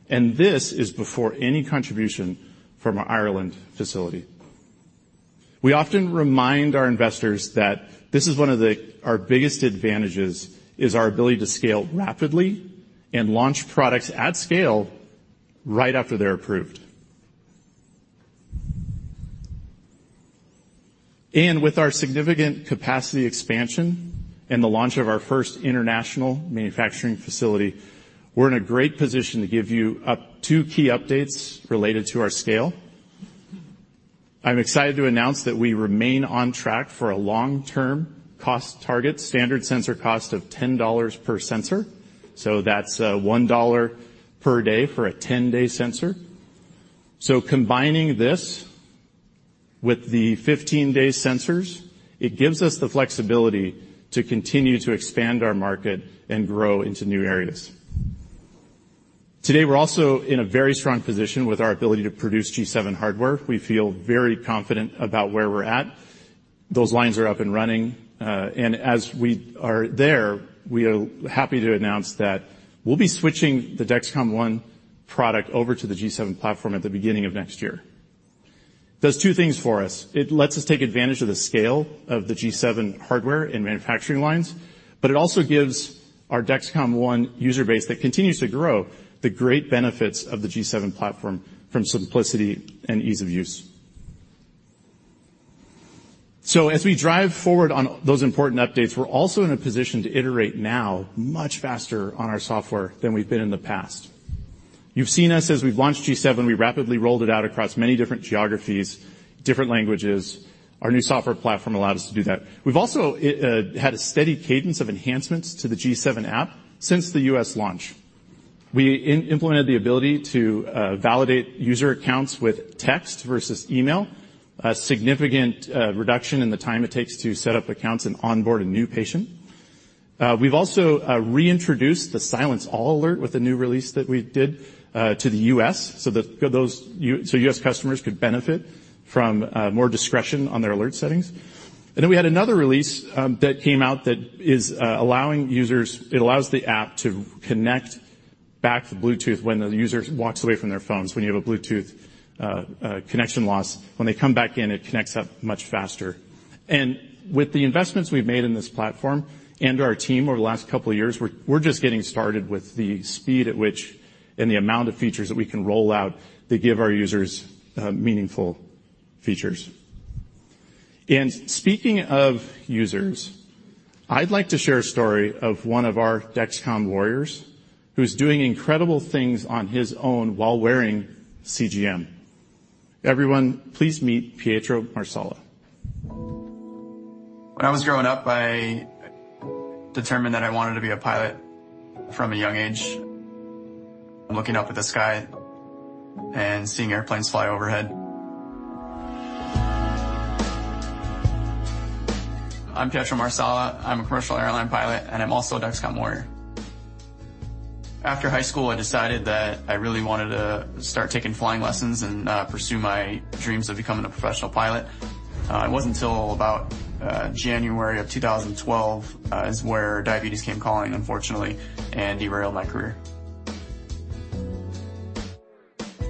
[SPEAKER 5] and this is before any contribution from our Ireland facility. We often remind our investors that this is one of our biggest advantages, is our ability to scale rapidly and launch products at scale right after they're approved. With our significant capacity expansion and the launch of our first international manufacturing facility, we're in a great position to give you two key updates related to our scale. I'm excited to announce that we remain on track for a long-term cost target, standard sensor cost of $10 per sensor, so that's $1 per day for a 10-day sensor. Combining this with the 15-day sensors, it gives us the flexibility to continue to expand our market and grow into new areas. Today, we're also in a very strong position with our ability to produce G7 hardware. We feel very confident about where we're at. Those lines are up and running, and as we are there, we are happy to announce that we'll be switching the Dexcom ONE product over to the G7 platform at the beginning of next year. Does two things for us. It lets us take advantage of the scale of the G7 hardware and manufacturing lines, but it also gives our Dexcom ONE user base, that continues to grow, the great benefits of the G7 platform from simplicity and ease of use. As we drive forward on those important updates, we're also in a position to iterate now much faster on our software than we've been in the past. You've seen us as we've launched G7. We rapidly rolled it out across many different geographies, different languages. Our new software platform allowed us to do that. We've also had a steady cadence of enhancements to the G7 app since the US launch. We implemented the ability to validate user accounts with text versus email, a significant reduction in the time it takes to set up accounts and onboard a new patient. We've also reintroduced the Silence All alert with the new release that we did to the US, so that those US customers could benefit from more discretion on their alert settings. We had another release that came out that allows the app to connect back to Bluetooth when the user walks away from their phones. When you have a Bluetooth connection loss, when they come back in, it connects up much faster. With the investments we've made in this platform and our team over the last couple of years, we're just getting started with the speed at which, and the amount of features that we can roll out to give our users meaningful features. Speaking of users, I'd like to share a story of one of our Dexcom Warriors, who's doing incredible things on his own while wearing CGM. Everyone, please meet Pietro Marsala.
[SPEAKER 6] When I was growing up, I determined that I wanted to be a pilot from a young age, looking up at the sky and seeing airplanes fly overhead. I'm Pietro Marsala. I'm a commercial airline pilot, and I'm also a Dexcom Warrior. After high school, I decided that I really wanted to start taking flying lessons and pursue my dreams of becoming a professional pilot. It wasn't until about January of 2012 is where diabetes came calling, unfortunately, and derailed my career.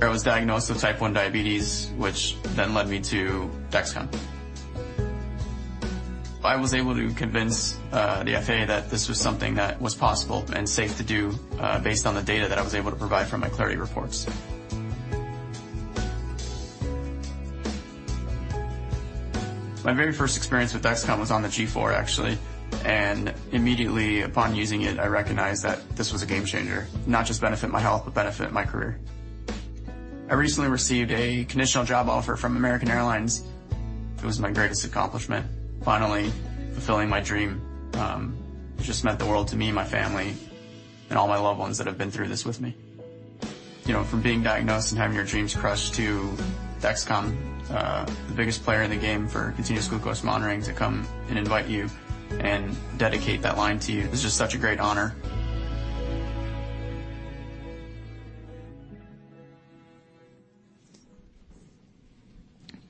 [SPEAKER 6] I was diagnosed with Type 1 diabetes, which then led me to Dexcom. I was able to convince the FAA that this was something that was possible and safe to do, based on the data that I was able to provide from my Clarity reports. My very first experience with Dexcom was on the G4, actually, immediately upon using it, I recognized that this was a game changer, not just benefit my health, but benefit my career. I recently received a conditional job offer from American Airlines. It was my greatest accomplishment. Finally, fulfilling my dream, just meant the world to me and my family and all my loved ones that have been through this with me. You know, from being diagnosed and having your dreams crushed to Dexcom, the biggest player in the game for continuous glucose monitoring, to come and invite you and dedicate that line to you is just such a great honor.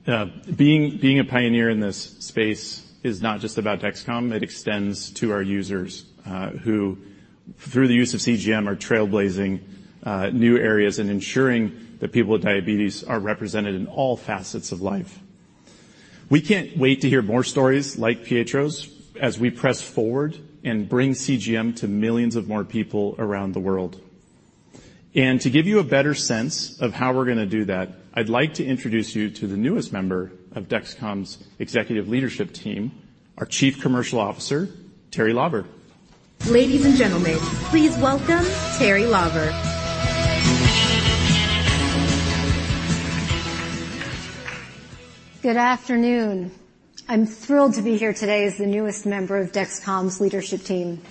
[SPEAKER 5] Being a pioneer in this space is not just about Dexcom. It extends to our users, who, through the use of CGM, are trailblazing new areas and ensuring that people with diabetes are represented in all facets of life. We can't wait to hear more stories like Pietro's as we press forward and bring CGM to millions of more people around the world. To give you a better sense of how we're gonna do that, I'd like to introduce you to the newest member of Dexcom's executive leadership team, our Chief Commercial Officer, Teri Lawver.
[SPEAKER 1] Ladies and gentlemen, please welcome Teri Lawver.
[SPEAKER 7] Good afternoon. I'm thrilled to be here today as the newest member of Dexcom's leadership team.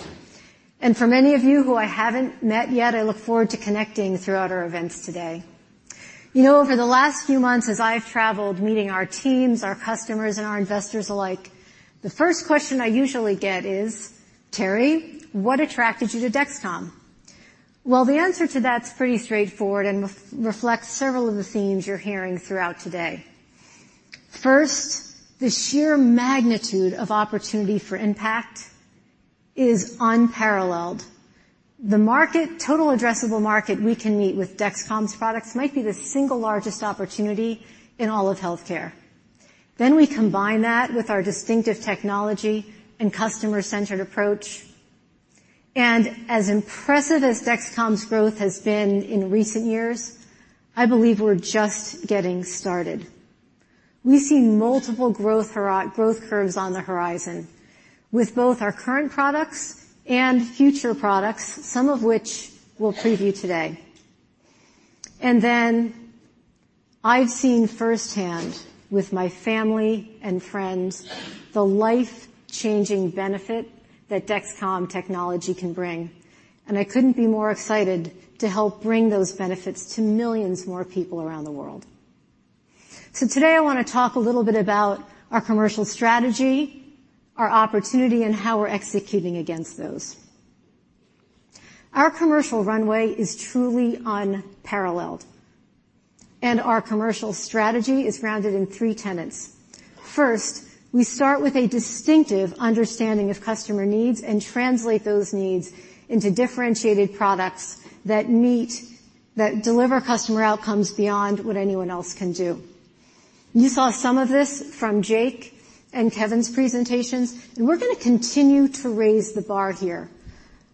[SPEAKER 7] For many of you who I haven't met yet, I look forward to connecting throughout our events today. You know, over the last few months, as I've traveled, meeting our teams, our customers, and our investors alike, the first question I usually get is, "Teri, what attracted you to Dexcom?" Well, the answer to that is pretty straightforward and re-reflects several of the themes you're hearing throughout today. First, the sheer magnitude of opportunity for impact is unparalleled. The market, total addressable market we can meet with Dexcom's products might be the single largest opportunity in all of healthcare. We combine that with our distinctive technology and customer-centered approach. As impressive as Dexcom's growth has been in recent years, I believe we're just getting started. We see multiple growth curves on the horizon with both our current products and future products, some of which we'll preview today. I've seen firsthand, with my family and friends, the life-changing benefit that Dexcom technology can bring, and I couldn't be more excited to help bring those benefits to millions more people around the world. Today, I want to talk a little bit about our commercial strategy, our opportunity, and how we're executing against those. Our commercial runway is truly unparalleled, our commercial strategy is grounded in three tenets. First, we start with a distinctive understanding of customer needs and translate those needs into differentiated products that deliver customer outcomes beyond what anyone else can do. You saw some of this from Jake and Kevin's presentations, we're going to continue to raise the bar here,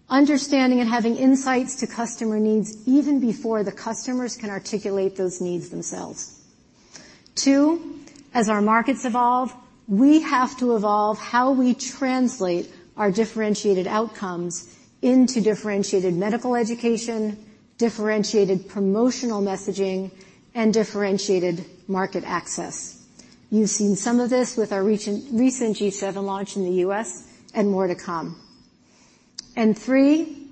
[SPEAKER 7] understanding and having insights to customer needs even before the customers can articulate those needs themselves. Two, as our markets evolve, we have to evolve how we translate our differentiated outcomes into differentiated medical education, differentiated promotional messaging, and differentiated market access. You've seen some of this with our recent G7 launch in the U.S., more to come. Three,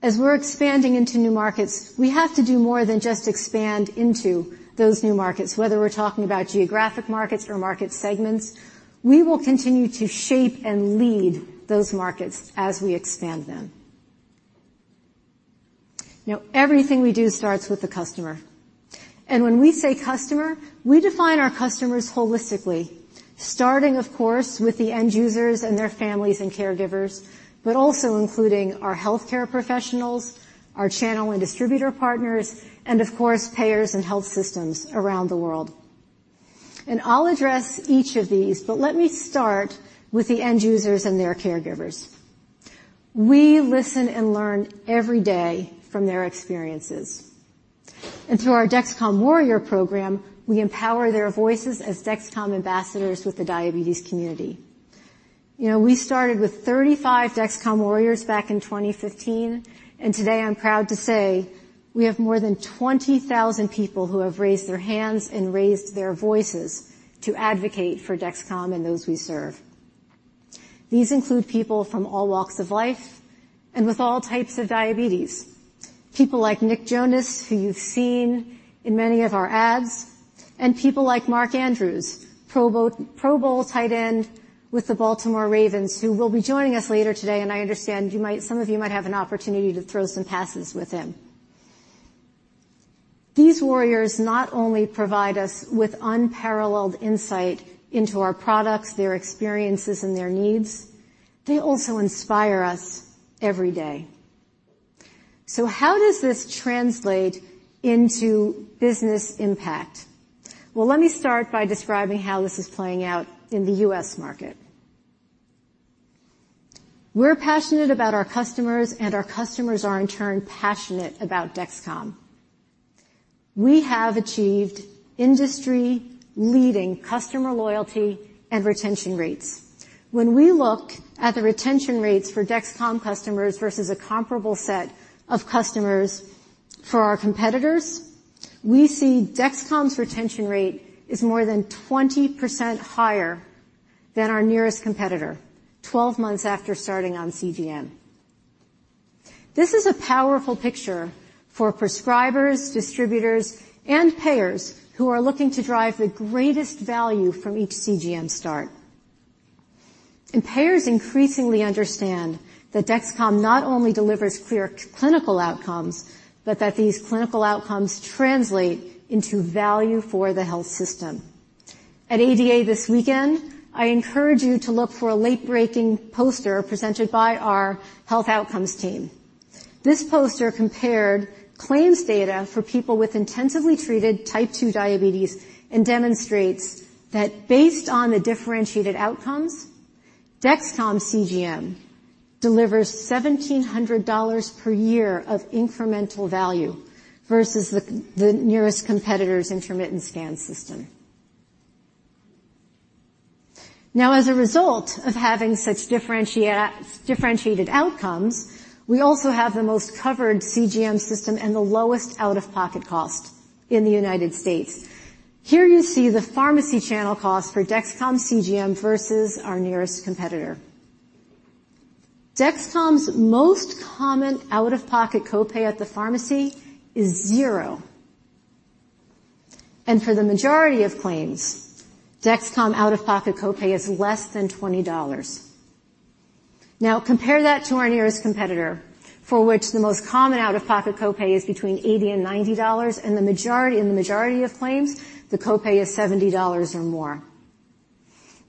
[SPEAKER 7] as we're expanding into new markets, we have to do more than just expand into those new markets. Whether we're talking about geographic markets or market segments, we will continue to shape and lead those markets as we expand them. Now, everything we do starts with the customer. When we say customer, we define our customers holistically, starting, of course, with the end users and their families and caregivers, but also including our healthcare professionals, our channel and distributor partners, and of course, payers and health systems around the world. I'll address each of these, but let me start with the end users and their caregivers. We listen and learn every day from their experiences. Through our Dexcom Warrior program, we empower their voices as Dexcom ambassadors with the diabetes community. You know, we started with 35 Dexcom Warriors back in 2015. Today I'm proud to say we have more than 20,000 people who have raised their hands and raised their voices to advocate for Dexcom and those we serve. These include people from all walks of life and with all types of diabetes. People like Nick Jonas, who you've seen in many of our ads, and people like Mark Andrews, Pro Bowl tight end with the Baltimore Ravens, who will be joining us later today. I understand some of you might have an opportunity to throw some passes with him. These warriors not only provide us with unparalleled insight into our products, their experiences, and their needs, they also inspire us every day. How does this translate into business impact? Well, let me start by describing how this is playing out in the U.S. market. We're passionate about our customers, and our customers are, in turn, passionate about Dexcom. We have achieved industry-leading customer loyalty and retention rates. When we look at the retention rates for Dexcom customers versus a comparable set of customers for our competitors, we see Dexcom's retention rate is more than 20% higher than our nearest competitor 12 months after starting on CGM. This is a powerful picture for prescribers, distributors, and payers who are looking to drive the greatest value from each CGM start. Payers increasingly understand that Dexcom not only delivers clear clinical outcomes, but that these clinical outcomes translate into value for the health system. At ADA this weekend, I encourage you to look for a late-breaking poster presented by our health outcomes team. This poster compared claims data for people with intensively treated Type 2 diabetes and demonstrates that based on the differentiated outcomes, Dexcom CGM delivers $1,700 per year of incremental value versus the nearest competitor's intermittent scan system. As a result of having such differentiated outcomes, we also have the most covered CGM system and the lowest out-of-pocket cost in the United States. Here you see the pharmacy channel cost for Dexcom CGM versus our nearest competitor. Dexcom's most common out-of-pocket copay at the pharmacy is 0. For the majority of claims, Dexcom out-of-pocket copay is less than $20. Compare that to our nearest competitor, for which the most common out-of-pocket copay is between $80 and $90, in the majority of claims, the copay is $70 or more.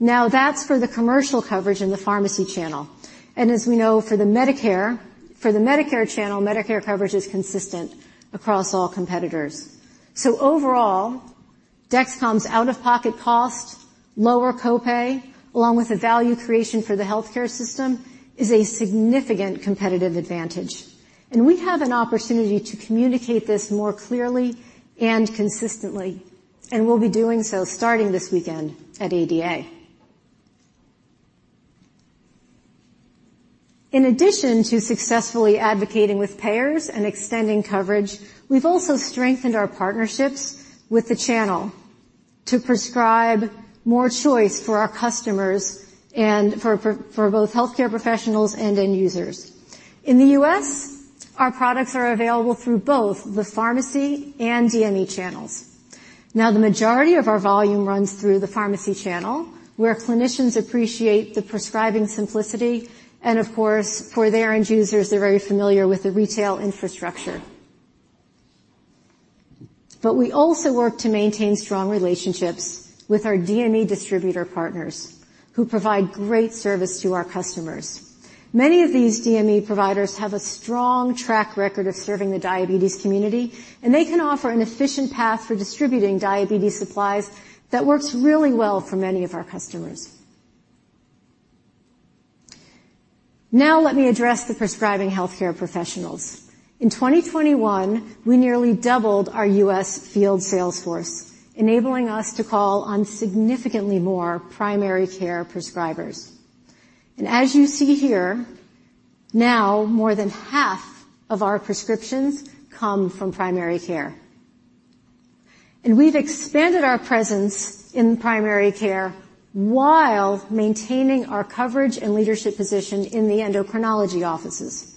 [SPEAKER 7] That's for the commercial coverage in the pharmacy channel, as we know, for the Medicare channel, Medicare coverage is consistent across all competitors. Overall, Dexcom's out-of-pocket cost, lower copay, along with the value creation for the healthcare system, is a significant competitive advantage, and we have an opportunity to communicate this more clearly and consistently, and we'll be doing so starting this weekend at ADA. In addition to successfully advocating with payers and extending coverage, we've also strengthened our partnerships with the channel to prescribe more choice for our customers and for both healthcare professionals and end users. In the U.S., our products are available through both the pharmacy and DME channels. The majority of our volume runs through the pharmacy channel, where clinicians appreciate the prescribing simplicity, and of course, for their end users, they're very familiar with the retail infrastructure. We also work to maintain strong relationships with our DME distributor partners, who provide great service to our customers. Many of these DME providers have a strong track record of serving the diabetes community, they can offer an efficient path for distributing diabetes supplies that works really well for many of our customers. Let me address the prescribing healthcare professionals. In 2021, we nearly doubled our U.S. field sales force, enabling us to call on significantly more primary care prescribers. As you see here, now, more than half of our prescriptions come from primary care. We've expanded our presence in primary care while maintaining our coverage and leadership position in the endocrinology offices.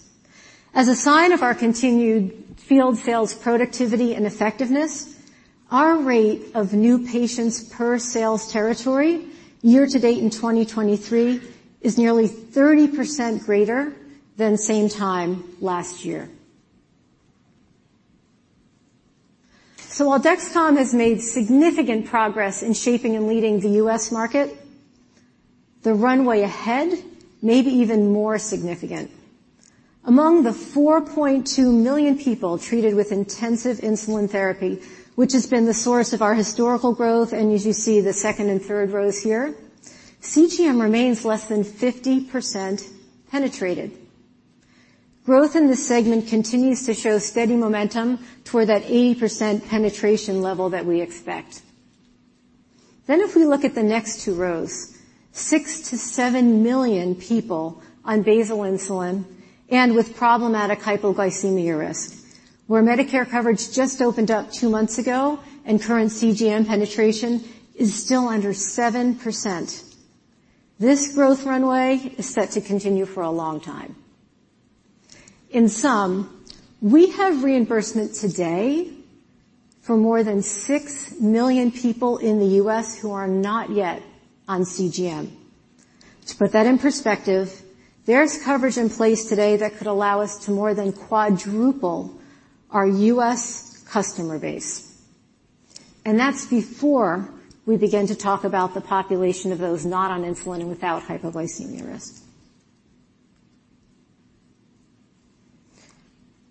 [SPEAKER 7] As a sign of our continued field sales, productivity, and effectiveness, our rate of new patients per sales territory, year to date in 2023, is nearly 30% greater than same time last year. While Dexcom has made significant progress in shaping and leading the U.S. market, the runway ahead may be even more significant. Among the 4.2 million people treated with intensive insulin therapy, which has been the source of our historical growth, and as you see, the second and third rows here, CGM remains less than 50% penetrated. Growth in this segment continues to show steady momentum toward that 80% penetration level that we expect. If we look at the next two rows, 6 million-7 million people on basal insulin and with problematic hypoglycemia risk, where Medicare coverage just opened up two months ago and current CGM penetration is still under 7%. This growth runway is set to continue for a long time. In sum, we have reimbursement today for more than 6 million people in the U.S. who are not yet on CGM. To put that in perspective, there's coverage in place today that could allow us to more than quadruple our U.S. customer base, and that's before we begin to talk about the population of those not on insulin and without hypoglycemia risk.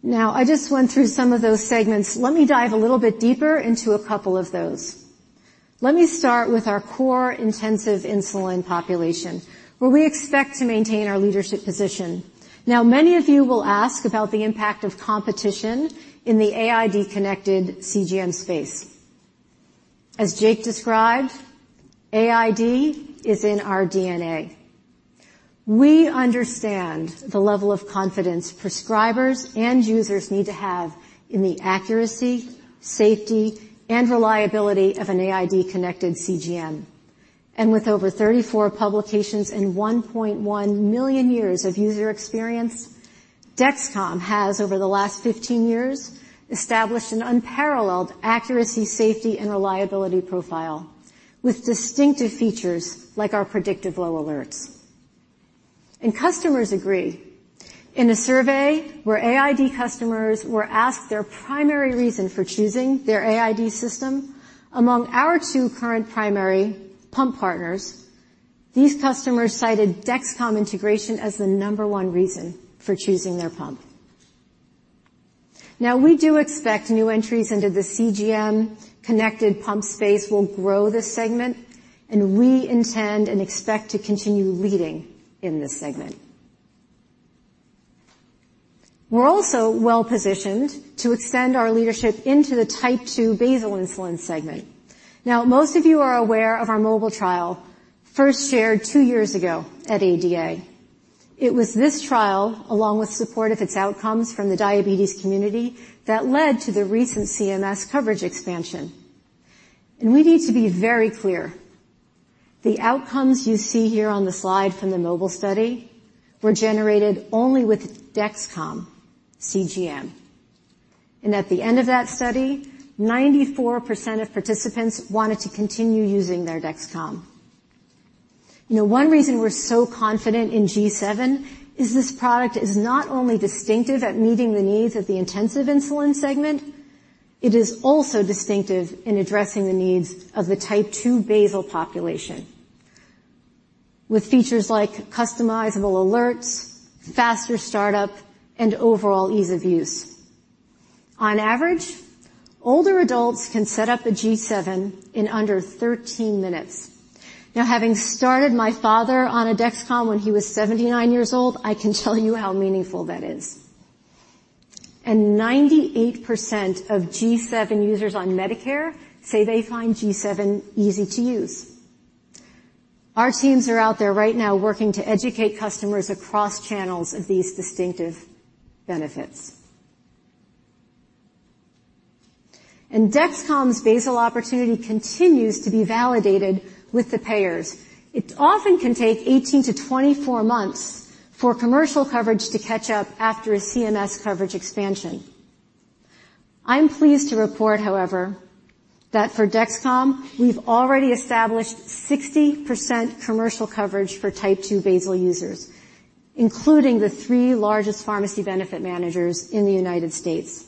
[SPEAKER 7] Now, I just went through some of those segments. Let me dive a little bit deeper into a couple of those. Let me start with our core intensive insulin population, where we expect to maintain our leadership position. Now, many of you will ask about the impact of competition in the AID-connected CGM space. As Jake described, AID is in our DNA. We understand the level of confidence prescribers and users need to have in the accuracy, safety, and reliability of an AID-connected CGM. With over 34 publications and 1.1 million years of user experience, Dexcom has, over the last 15 years, established an unparalleled accuracy, safety, and reliability profile, with distinctive features like our predictive low alerts. Customers agree. In a survey where AID customers were asked their primary reason for choosing their AID system, among our two current primary pump partners, these customers cited Dexcom integration as the number one reason for choosing their pump. We do expect new entries into the CGM connected pump space will grow this segment, and we intend and expect to continue leading in this segment. We're also well-positioned to extend our leadership into the Type 2 basal insulin segment. Most of you are aware of our MOBILE trial, first shared two years ago at ADA. It was this trial, along with support of its outcomes from the diabetes community, that led to the recent CMS coverage expansion. We need to be very clear. The outcomes you see here on the slide from the MOBILE study were generated only with Dexcom CGM. At the end of that study, 94% of participants wanted to continue using their Dexcom. One reason we're so confident in G7 is this product is not only distinctive at meeting the needs of the intensive insulin segment, it is also distinctive in addressing the needs of the Type 2 basal population, with features like customizable alerts, faster startup, and overall ease of use. On average, older adults can set up a G7 in under 13 minutes. Now, having started my father on a Dexcom when he was 79 years old, I can tell you how meaningful that is. Ninety-eight percent of G7 users on Medicare say they find G7 easy to use. Our teams are out there right now working to educate customers across channels of these distinctive benefits. Dexcom's basal opportunity continues to be validated with the payers. It often can take 18-24 months for commercial coverage to catch up after a CMS coverage expansion. I'm pleased to report, however, that for Dexcom, we've already established 60% commercial coverage for Type 2 basal users, including the three largest pharmacy benefit managers in the United States.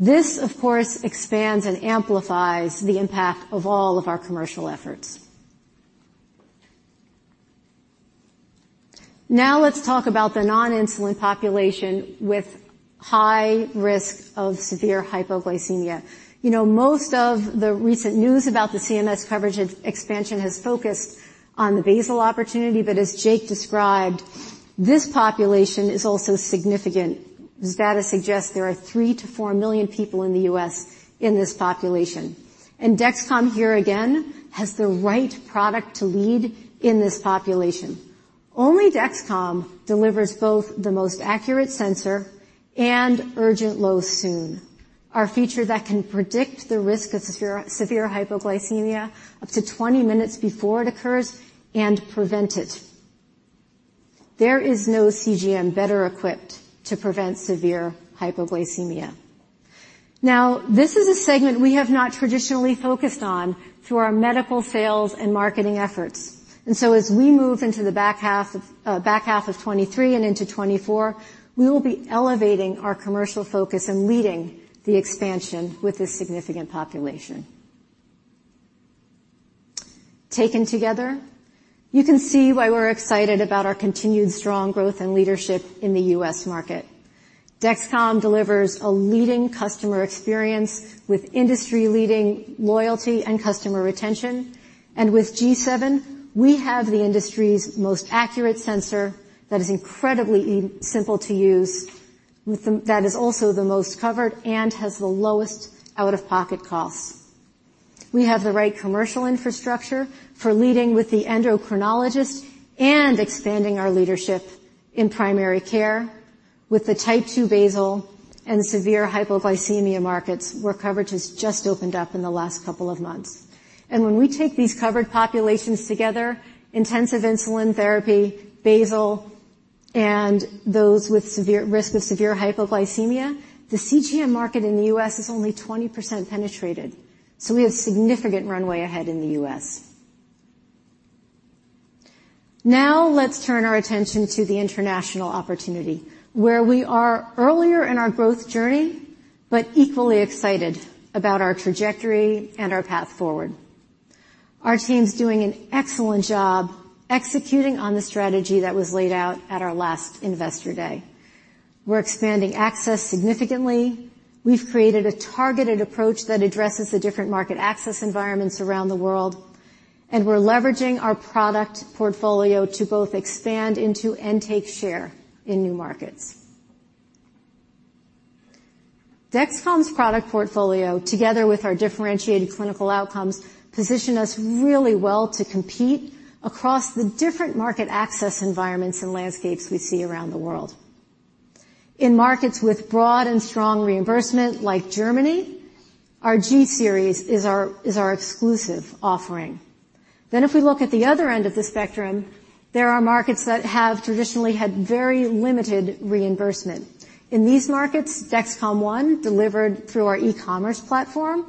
[SPEAKER 7] This, of course, expands and amplifies the impact of all of our commercial efforts. Let's talk about the non-insulin population with high risk of severe hypoglycemia. You know, most of the recent news about the CMS coverage expansion has focused on the basal opportunity, but as Jake described, this population is also significant. The data suggests there are 3 million-4 million people in the US in this population, and Dexcom, here again, has the right product to lead in this population. Only Dexcom delivers both the most accurate sensor and Urgent Low Soon, our feature that can predict the risk of severe hypoglycemia up to 20 minutes before it occurs and prevent it. There is no CGM better equipped to prevent severe hypoglycemia. Now, this is a segment we have not traditionally focused on through our medical sales and marketing efforts. As we move into the back half of 2023 and into 2024, we will be elevating our commercial focus and leading the expansion with this significant population. Taken together, you can see why we're excited about our continued strong growth and leadership in the US market. Dexcom delivers a leading customer experience with industry-leading loyalty and customer retention, and with G7, we have the industry's most accurate sensor that is incredibly simple to use, that is also the most covered and has the lowest out-of-pocket costs. We have the right commercial infrastructure for leading with the endocrinologist and expanding our leadership in primary care with the Type 2 basal and severe hypoglycemia markets, where coverage has just opened up in the last couple of months. When we take these covered populations together, intensive insulin therapy, basal, and those with risk of severe hypoglycemia, the CGM market in the U.S. is only 20% penetrated, so we have significant runway ahead in the U.S. Now, let's turn our attention to the international opportunity, where we are earlier in our growth journey, but equally excited about our trajectory and our path forward. Our team's doing an excellent job executing on the strategy that was laid out at our last Investor Day. We're expanding access significantly. We've created a targeted approach that addresses the different market access environments around the world, and we're leveraging our product portfolio to both expand into and take share in new markets. Dexcom's product portfolio, together with our differentiated clinical outcomes, position us really well to compete across the different market access environments and landscapes we see around the world. In markets with broad and strong reimbursement, like Germany, our G-series is our exclusive offering. If we look at the other end of the spectrum, there are markets that have traditionally had very limited reimbursement. In these markets, Dexcom ONE, delivered through our e-commerce platform,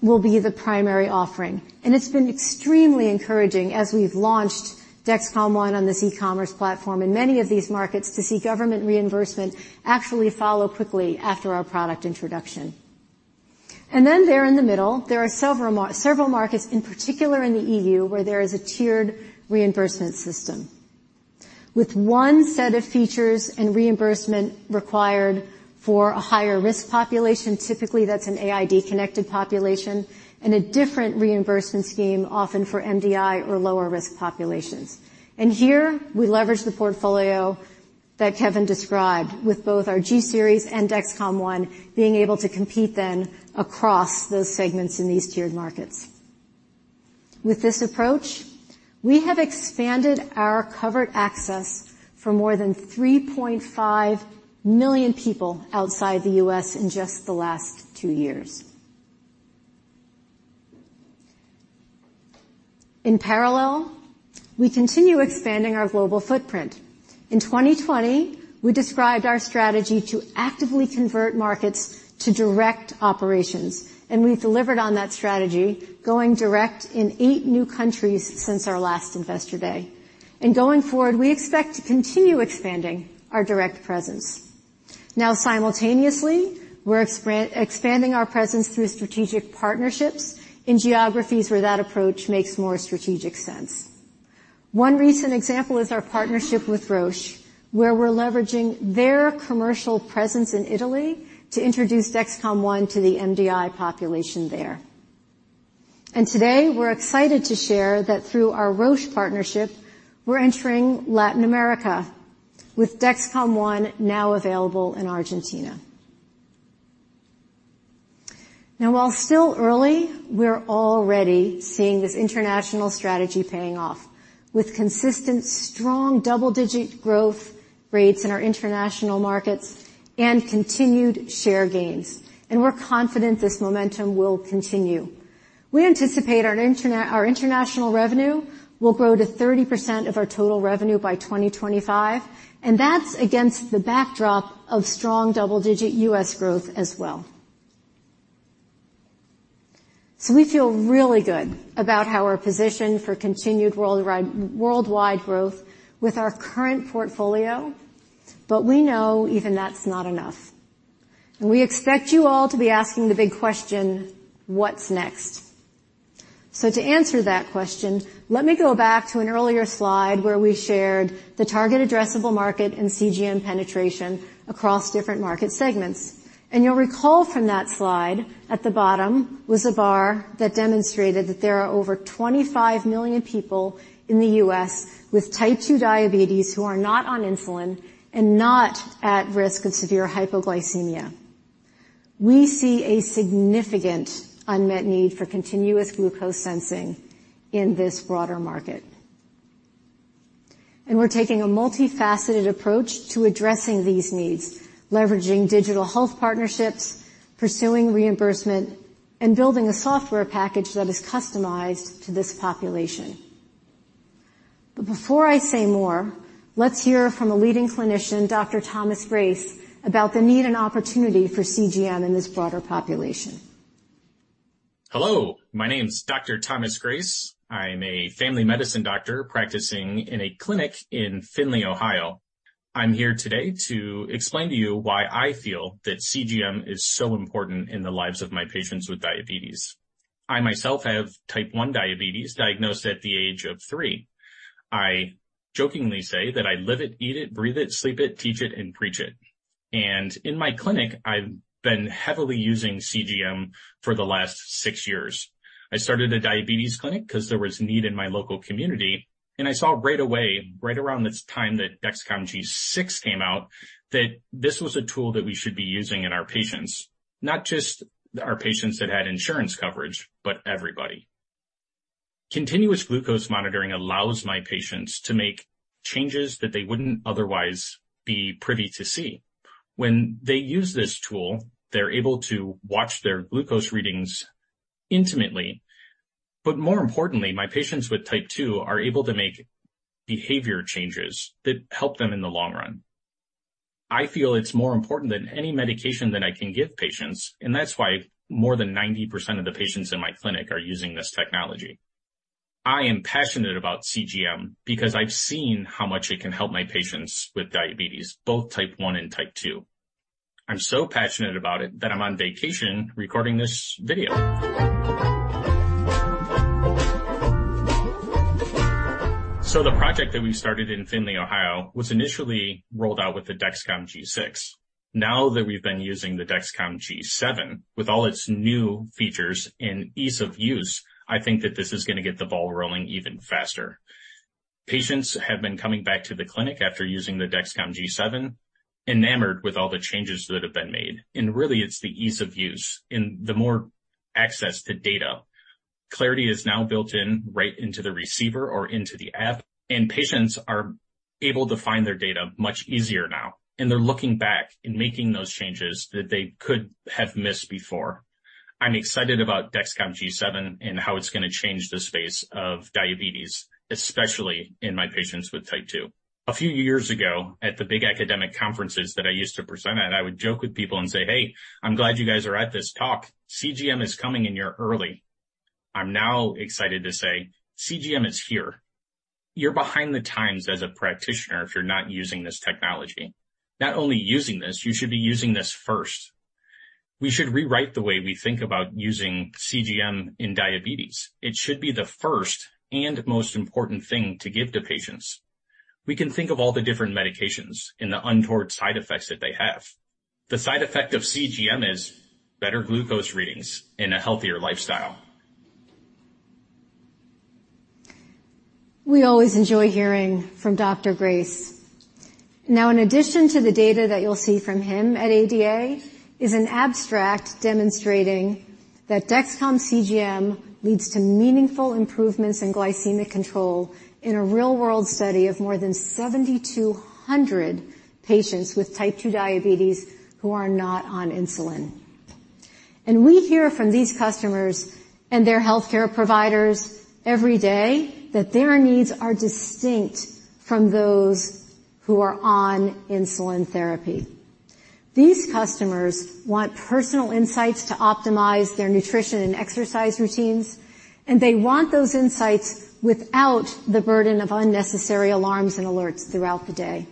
[SPEAKER 7] will be the primary offering. It's been extremely encouraging as we've launched Dexcom ONE on this e-commerce platform in many of these markets to see government reimbursement actually follow quickly after our product introduction. Then there in the middle, there are several markets, in particular in the EU, where there is a tiered reimbursement system, with one set of features and reimbursement required for a higher-risk population. Typically, that's an AID-connected population, and a different reimbursement scheme, often for MDI or lower-risk populations. Here, we leverage the portfolio that Kevin described with both our G Series and Dexcom ONE being able to compete then across those segments in these tiered markets. With this approach, we have expanded our covered access for more than 3.5 million people outside the U.S. in just the last two years. In parallel, we continue expanding our global footprint. In 2020, we described our strategy to actively convert markets to direct operations, and we've delivered on that strategy, going direct in eight new countries since our last Investor Day. Going forward, we expect to continue expanding our direct presence. Now, simultaneously, we're expanding our presence through strategic partnerships in geographies where that approach makes more strategic sense. One recent example is our partnership with Roche, where we're leveraging their commercial presence in Italy to introduce Dexcom ONE to the MDI population there. Today, we're excited to share that through our Roche partnership, we're entering Latin America, with Dexcom ONE now available in Argentina. While still early, we're already seeing this international strategy paying off, with consistent, strong double-digit growth rates in our international markets and continued share gains, we're confident this momentum will continue. We anticipate our international revenue will grow to 30% of our total revenue by 2025, and that's against the backdrop of strong double-digit US growth as well. We feel really good about how we're positioned for continued worldwide growth with our current portfolio, but we know even that's not enough. We expect you all to be asking the big question, what's next? To answer that question, let me go back to an earlier slide where we shared the target addressable market and CGM penetration across different market segments. You'll recall from that slide, at the bottom was a bar that demonstrated that there are over 25 million people in the U.S. with Type 2 diabetes who are not on insulin and not at risk of severe hypoglycemia. We see a significant unmet need for continuous glucose sensing in this broader market. We're taking a multifaceted approach to addressing these needs, leveraging digital health partnerships, pursuing reimbursement, and building a software package that is customized to this population. Before I say more, let's hear from a leading clinician, Dr. Thomas Grace, about the need and opportunity for CGM in this broader population.
[SPEAKER 8] Hello, my name is Dr. Thomas Grace. I am a family medicine doctor practicing in a clinic in Findlay, Ohio. I'm here today to explain to you why I feel that CGM is so important in the lives of my patients with diabetes. I myself have Type 1 diabetes, diagnosed at the age of three. I jokingly say that I live it, eat it, breathe it, sleep it, teach it, and preach it. In my clinic, I've been heavily using CGM for the last six years. I started a diabetes clinic because there was need in my local community, and I saw right away, right around this time that Dexcom G6 came out, that this was a tool that we should be using in our patients, not just our patients that had insurance coverage, but everybody. Continuous glucose monitoring allows my patients to make changes that they wouldn't otherwise be privy to see. When they use this tool, they're able to watch their glucose readings intimately, but more importantly, my patients with Type 2 are able to make behavior changes that help them in the long run. I feel it's more important than any medication that I can give patients, that's why more than 90% of the patients in my clinic are using this technology. I am passionate about CGM because I've seen how much it can help my patients with diabetes, both Type 1 and Type 2. I'm so passionate about it that I'm on vacation recording this video. The project that we started in Findlay, Ohio, was initially rolled out with the Dexcom G6. Now that we've been using the Dexcom G7, with all its new features and ease of use, I think that this is going to get the ball rolling even faster. Patients have been coming back to the clinic after using the Dexcom G7, enamored with all the changes that have been made. Really, it's the ease of use and the more access to data. Clarity is now built in right into the receiver or into the app. Patients are able to find their data much easier now, and they're looking back and making those changes that they could have missed before. I'm excited about Dexcom G7 and how it's going to change the space of diabetes, especially in my patients with Type 2. A few years ago, at the big academic conferences that I used to present at, I would joke with people and say, "Hey, I'm glad you guys are at this talk. CGM is coming in here early." I'm now excited to say, "CGM is here." You're behind the times as a practitioner if you're not using this technology. Not only using this, you should be using this first. We should rewrite the way we think about using CGM in diabetes. It should be the first and most important thing to give to patients. We can think of all the different medications and the untoward side effects that they have. The side effect of CGM is better glucose readings and a healthier lifestyle.
[SPEAKER 7] We always enjoy hearing from Dr. Grace. In addition to the data that you'll see from him at ADA, is an abstract demonstrating that Dexcom CGM leads to meaningful improvements in glycemic control in a real-world study of more than 7,200 patients with Type 2 diabetes who are not on insulin. We hear from these customers and their healthcare providers every day that their needs are distinct from those who are on insulin therapy. These customers want personal insights to optimize their nutrition and exercise routines, and they want those insights without the burden of unnecessary alarms and alerts throughout the day.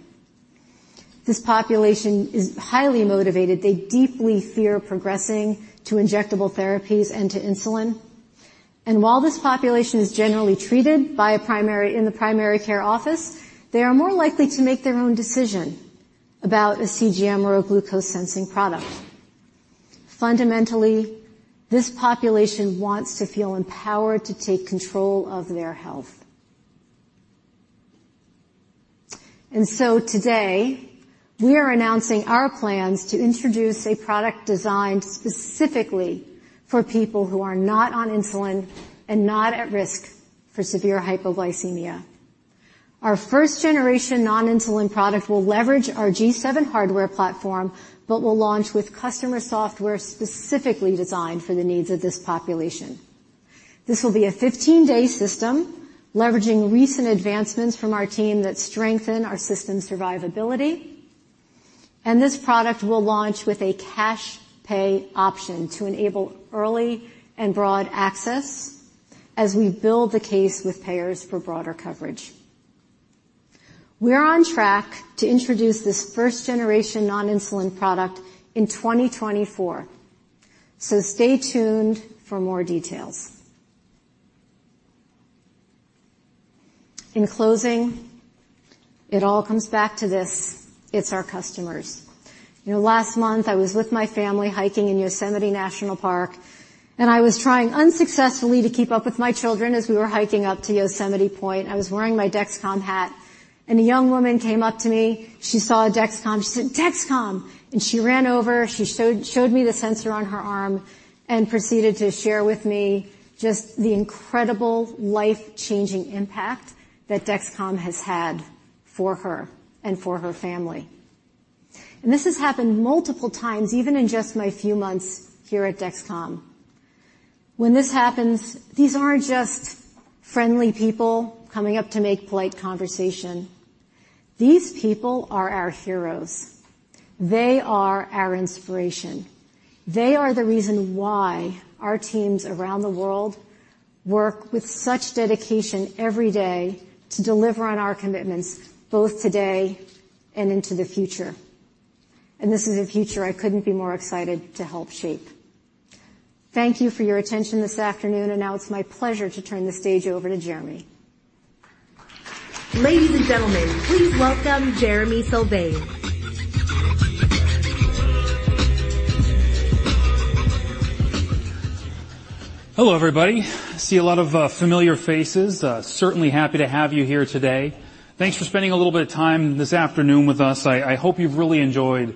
[SPEAKER 7] This population is highly motivated. They deeply fear progressing to injectable therapies and to insulin. While this population is generally treated by a primary care office, they are more likely to make their own decision about a CGM or a glucose sensing product. Fundamentally, this population wants to feel empowered to take control of their health. Today, we are announcing our plans to introduce a product designed specifically for people who are not on insulin and not at risk for severe hypoglycemia. Our first-generation non-insulin product will leverage our G7 hardware platform, but will launch with customer software specifically designed for the needs of this population. This will be a 15-day system, leveraging recent advancements from our team that strengthen our system's survivability, and this product will launch with a cash pay option to enable early and broad access as we build the case with payers for broader coverage. We're on track to introduce this first generation non-insulin product in 2024. Stay tuned for more details. In closing, it all comes back to this: It's our customers. You know, last month, I was with my family hiking in Yosemite National Park. I was trying unsuccessfully to keep up with my children as we were hiking up to Yosemite Point. I was wearing my Dexcom hat. A young woman came up to me. She saw a Dexcom. She said, "Dexcom!" She ran over, she showed me the sensor on her arm and proceeded to share with me just the incredible life-changing impact that Dexcom has had for her and for her family. This has happened multiple times, even in just my few months here at Dexcom. When this happens, these aren't just friendly people coming up to make polite conversation. These people are our heroes. They are our inspiration. They are the reason why our teams around the world work with such dedication every day to deliver on our commitments, both today and into the future. This is a future I couldn't be more excited to help shape. Thank you for your attention this afternoon. Now it's my pleasure to turn the stage over to Jeremy.
[SPEAKER 1] Ladies and gentlemen, please welcome Jereme Sylvain.
[SPEAKER 9] Hello, everybody. I see a lot of familiar faces. Certainly happy to have you here today. Thanks for spending a little bit of time this afternoon with us. I hope you've really enjoyed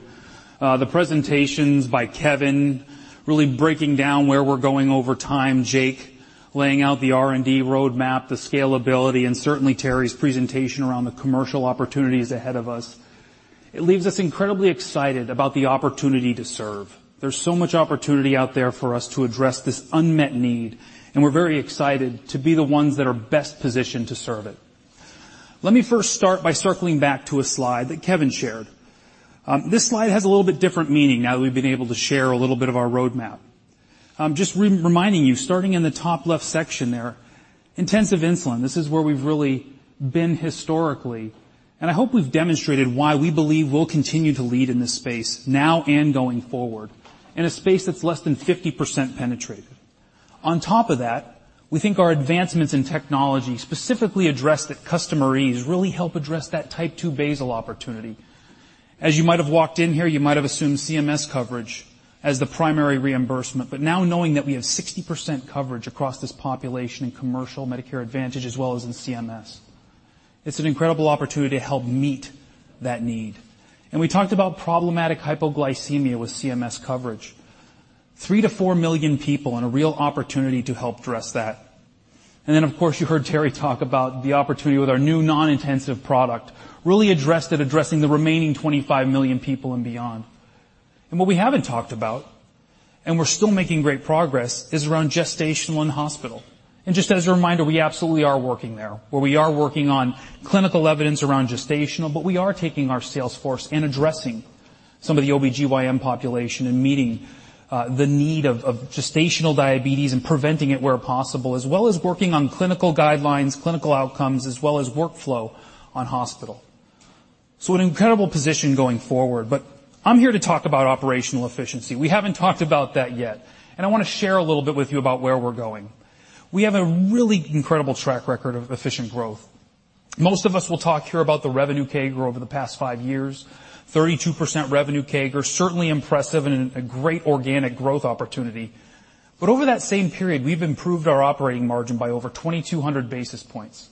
[SPEAKER 9] the presentations by Kevin, really breaking down where we're going over time, Jake, laying out the R&D roadmap, the scalability, and certainly Teri's presentation around the commercial opportunities ahead of us. It leaves us incredibly excited about the opportunity to serve. There's so much opportunity out there for us to address this unmet need, and we're very excited to be the ones that are best positioned to serve it. Let me first start by circling back to a slide that Kevin shared. This slide has a little bit different meaning now that we've been able to share a little bit of our roadmap. Just reminding you, starting in the top left section there, intensive insulin. This is where we've really been historically, and I hope we've demonstrated why we believe we'll continue to lead in this space now and going forward, in a space that's less than 50% penetrated. On top of that, we think our advancements in technology specifically address that customer ease, really help address that Type 2 basal opportunity. As you might have walked in here, you might have assumed CMS coverage as the primary reimbursement, but now knowing that we have 60% coverage across this population in commercial Medicare Advantage, as well as in CMS, it's an incredible opportunity to help meet that need. We talked about problematic hypoglycemia with CMS coverage. 3 million-4 million people and a real opportunity to help address that. Then, of course, you heard Teri talk about the opportunity with our new non-intensive product, really addressed at addressing the remaining 25 million people and beyond. What we haven't talked about, and we're still making great progress, is around gestational and hospital. Just as a reminder, we absolutely are working there, where we are working on clinical evidence around gestational, but we are taking our sales force and addressing some of the OBGYN population and meeting the need of gestational diabetes and preventing it where possible, as well as working on clinical guidelines, clinical outcomes, as well as workflow on hospital. An incredible position going forward, but I'm here to talk about operational efficiency. We haven't talked about that yet, and I wanna share a little bit with you about where we're going. We have a really incredible track record of efficient growth. Most of us will talk here about the revenue CAGR over the past five years. 32% revenue CAGR, certainly impressive and a great organic growth opportunity. Over that same period, we've improved our operating margin by over 2,200 basis points.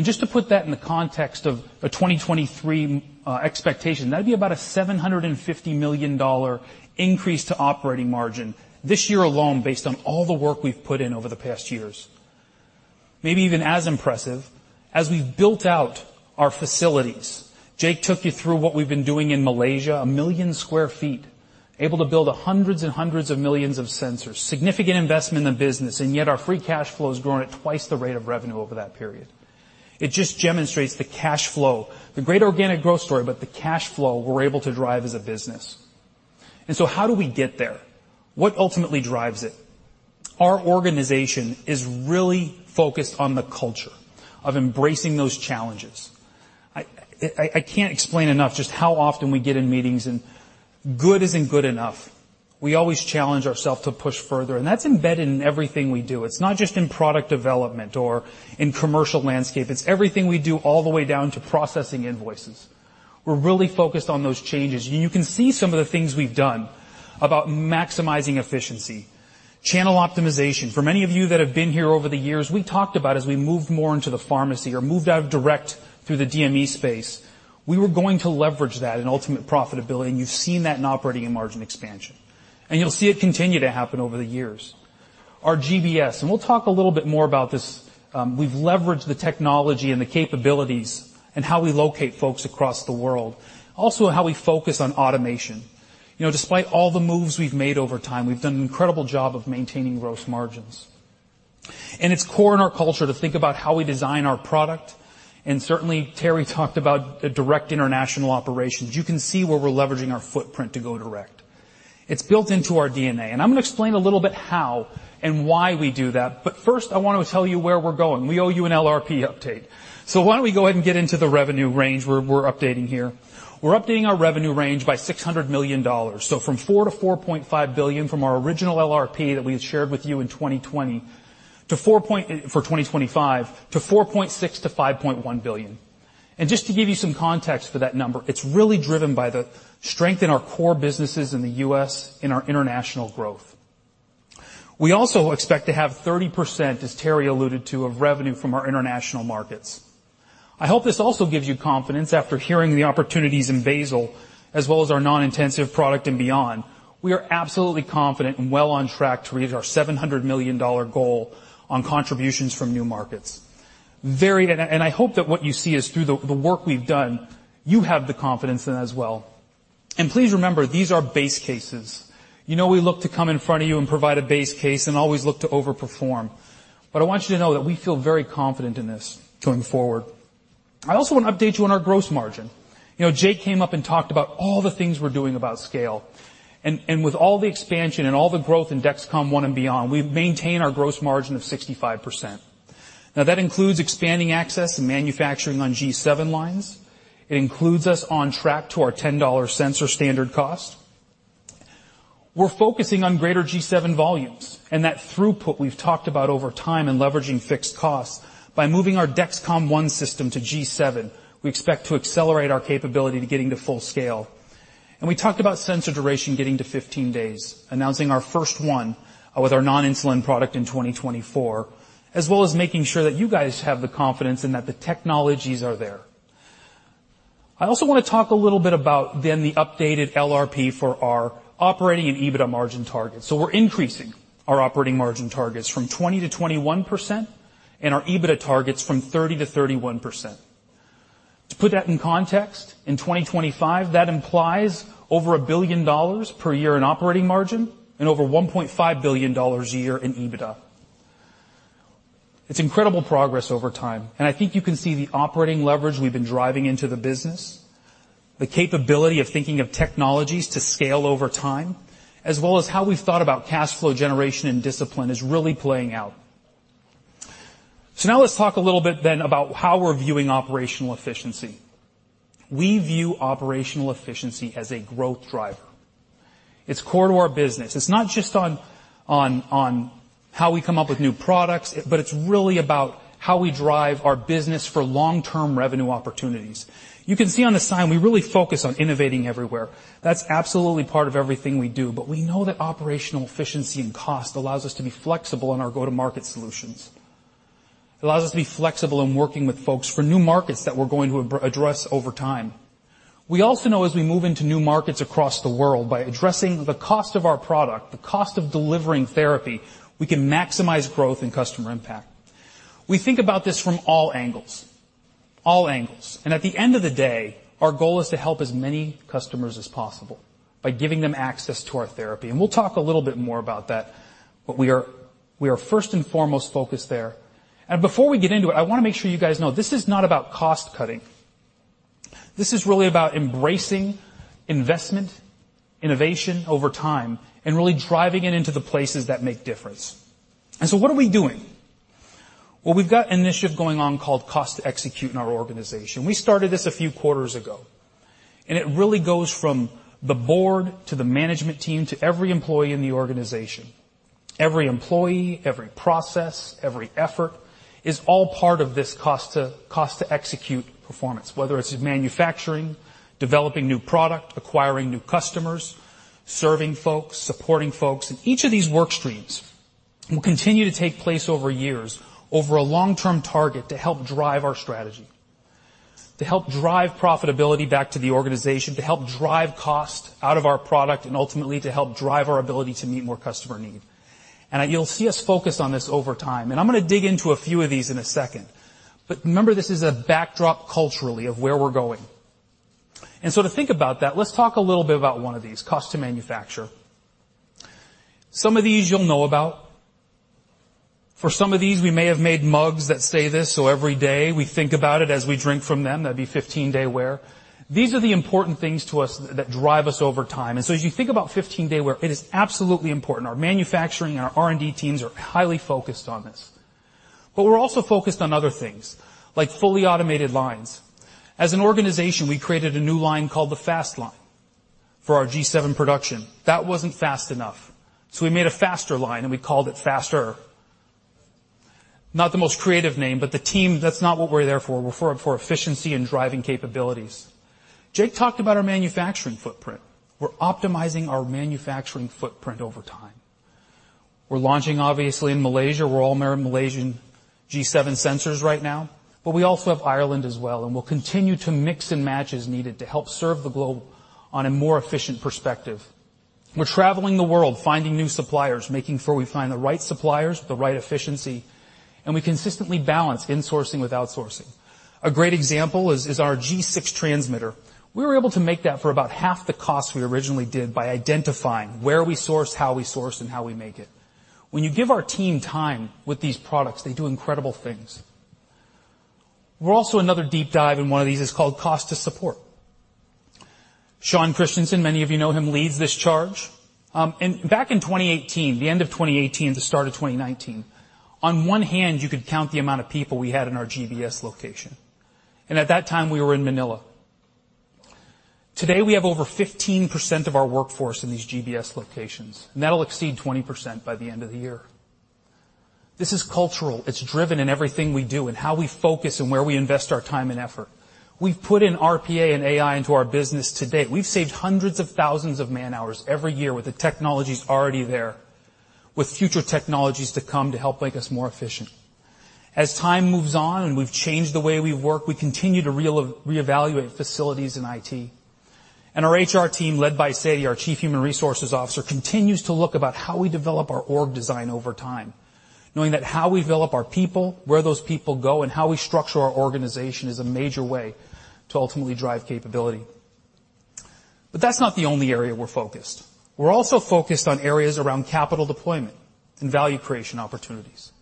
[SPEAKER 9] Just to put that in the context of a 2023 expectation, that'd be about a $750 million increase to operating margin this year alone, based on all the work we've put in over the past years. Maybe even as impressive as we've built out our facilities. Jake took you through what we've been doing in Malaysia, 1 million sq ft, able to build hundreds of millions of sensors. Significant investment in the business, and yet our free cash flow has grown at twice the rate of revenue over that period. It just demonstrates the cash flow, the great organic growth story, but the cash flow we're able to drive as a business. How do we get there? What ultimately drives it? Our organization is really focused on the culture of embracing those challenges. I can't explain enough just how often we get in meetings, and good isn't good enough. We always challenge ourselves to push further, and that's embedded in everything we do. It's not just in product development or in commercial landscape. It's everything we do all the way down to processing invoices. We're really focused on those changes. You can see some of the things we've done about maximizing efficiency. Channel optimization. For many of you that have been here over the years, we talked about as we moved more into the pharmacy or moved out of direct through the DME space, we were going to leverage that in ultimate profitability, and you've seen that in operating and margin expansion, and you'll see it continue to happen over the years. Our GBS, and we'll talk a little bit more about this. We've leveraged the technology and the capabilities and how we locate folks across the world, also how we focus on automation. You know, despite all the moves we've made over time, we've done an incredible job of maintaining gross margins. It's core in our culture to think about how we design our product. Certainly, Teri talked about the direct international operations. You can see where we're leveraging our footprint to go direct. It's built into our DNA. I'm going to explain a little bit how and why we do that, but first, I want to tell you where we're going. We owe you an LRP update. Why don't we go ahead and get into the revenue range we're updating here? We're updating our revenue range by $600 million. From $4 billion-$4.5 billion from our original LRP that we had shared with you in 2020, for 2025, to $4.6 billion-$5.1 billion. Just to give you some context for that number, it's really driven by the strength in our core businesses in the U.S. in our international growth. We also expect to have 30%, as Terri alluded to, of revenue from our international markets. I hope this also gives you confidence after hearing the opportunities in basal, as well as our non-intensive product and beyond. We are absolutely confident and well on track to reach our $700 million goal on contributions from new markets. And I hope that what you see is through the work we've done, you have the confidence then as well. Please remember, these are base cases. You know, we look to come in front of you and provide a base case and always look to overperform. I want you to know that we feel very confident in this going forward. I also want to update you on our gross margin. You know, Jake came up and talked about all the things we're doing about scale, and with all the expansion and all the growth in Dexcom ONE and beyond, we've maintained our gross margin of 65%. Now, that includes expanding access and manufacturing on G7 lines. It includes us on track to our $10 sensor standard cost. We're focusing on greater G7 volumes and that throughput we've talked about over time and leveraging fixed costs. By moving our Dexcom ONE system to G7, we expect to accelerate our capability to getting to full scale. We talked about sensor duration getting to 15 days, announcing our first one with our non-insulin product in 2024, as well as making sure that you guys have the confidence and that the technologies are there. I also want to talk a little bit about then the updated LRP for our operating and EBITDA margin targets. We're increasing our operating margin targets from 20%-21% and our EBITDA targets from 30%-31%. To put that in context, in 2025, that implies over $1 billion per year in operating margin and over $1.5 billion a year in EBITDA. It's incredible progress over time, and I think you can see the operating leverage we've been driving into the business, the capability of thinking of technologies to scale over time, as well as how we've thought about cash flow generation and discipline is really playing out. Now let's talk a little bit then about how we're viewing operational efficiency. We view operational efficiency as a growth driver. It's core to our business. It's not just on how we come up with new products, but it's really about how we drive our business for long-term revenue opportunities. You can see on the side, we really focus on innovating everywhere. That's absolutely part of everything we do, but we know that operational efficiency and cost allows us to be flexible in our go-to-market solutions. It allows us to be flexible in working with folks for new markets that we're going to address over time. We also know as we move into new markets across the world, by addressing the cost of our product, the cost of delivering therapy, we can maximize growth and customer impact. We think about this from all angles, and at the end of the day, our goal is to help as many customers as possible by giving them access to our therapy. We'll talk a little bit more about that, but we are first and foremost focused there. Before we get into it, I want to make sure you guys know this is not about cost cutting. This is really about embracing investment, innovation over time, and really driving it into the places that make difference. What are we doing? Well, we've got an initiative going on called Cost to Execute in our organization. We started this a few quarters ago. It really goes from the board to the management team, to every employee in the organization. Every employee, every process, every effort is all part of this Cost to Execute performance, whether it's in manufacturing, developing new product, acquiring new customers, serving folks, supporting folks. Each of these work streams will continue to take place over years, over a long-term target, to help drive our strategy, to help drive profitability back to the organization, to help drive cost out of our product, and ultimately, to help drive our ability to meet more customer need. You'll see us focus on this over time, and I'm gonna dig into a few of these in a second. Remember, this is a backdrop culturally of where we're going. To think about that, let's talk a little bit about one of these, cost to manufacture. Some of these you'll know about. For some of these, we may have made mugs that say this, so every day we think about it as we drink from them. That'd be 15-day wear. These are the important things to us that drive us over time. As you think about 15-day wear, it is absolutely important. Our manufacturing and our R&D teams are highly focused on this. We're also focused on other things, like fully automated lines. As an organization, we created a new line called the Fast Line for our G7 production. That wasn't fast enough, so we made a faster line, and we called it Faster. Not the most creative name. That's not what we're there for. We're for efficiency and driving capabilities. Jake talked about our manufacturing footprint. We're optimizing our manufacturing footprint over time. We're launching, obviously, in Malaysia. We're all wearing Malaysian G7 sensors right now, but we also have Ireland as well, and we'll continue to mix and match as needed to help serve the globe on a more efficient perspective. We're traveling the world, finding new suppliers, making sure we find the right suppliers with the right efficiency, and we consistently balance insourcing with outsourcing. A great example is our G6 transmitter. We were able to make that for about half the cost we originally did by identifying where we source, how we source, and how we make it. When you give our team time with these products, they do incredible things. We're also another deep dive in one of these, it's called Cost to Support. Sean Christensen, many of you know him, leads this charge. Back in 2018, the end of 2018, the start of 2019, on one hand, you could count the amount of people we had in our GBS location, and at that time, we were in Manila. Today, we have over 15% of our workforce in these GBS locations, and that'll exceed 20% by the end of the year. This is cultural. It's driven in everything we do and how we focus and where we invest our time and effort. We've put in RPA and AI into our business today. We've saved hundreds of thousands of man-hours every year with the technologies already there, with future technologies to come to help make us more efficient. As time moves on and we've changed the way we work, we continue to reevaluate facilities in IT. Our HR team, led by Sadie, our Chief Human Resources Officer, continues to look about how we develop our org design over time, knowing that how we develop our people, where those people go, and how we structure our organization is a major way to ultimately drive capability. That's not the only area we're focused. We're also focused on areas around capital deployment and value creation opportunities.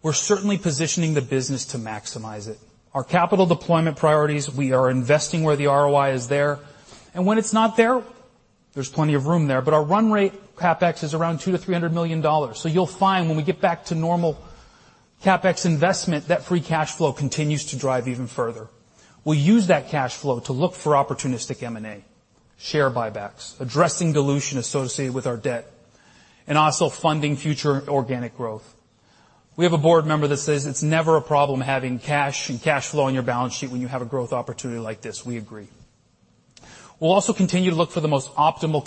[SPEAKER 9] We're certainly positioning the business to maximize it. Our capital deployment priorities, we are investing where the ROI is there, and when it's not there's plenty of room there. Our run rate CapEx is around $200 million-$300 million. You'll find when we get back to normal CapEx investment, that free cash flow continues to drive even further. We use that cash flow to look for opportunistic M&A, share buybacks, addressing dilution associated with our debt, and also funding future organic growth. We have a board member that says, "It's never a problem having cash and cash flow on your balance sheet when you have a growth opportunity like this." We agree. We'll also continue to look for the most optimal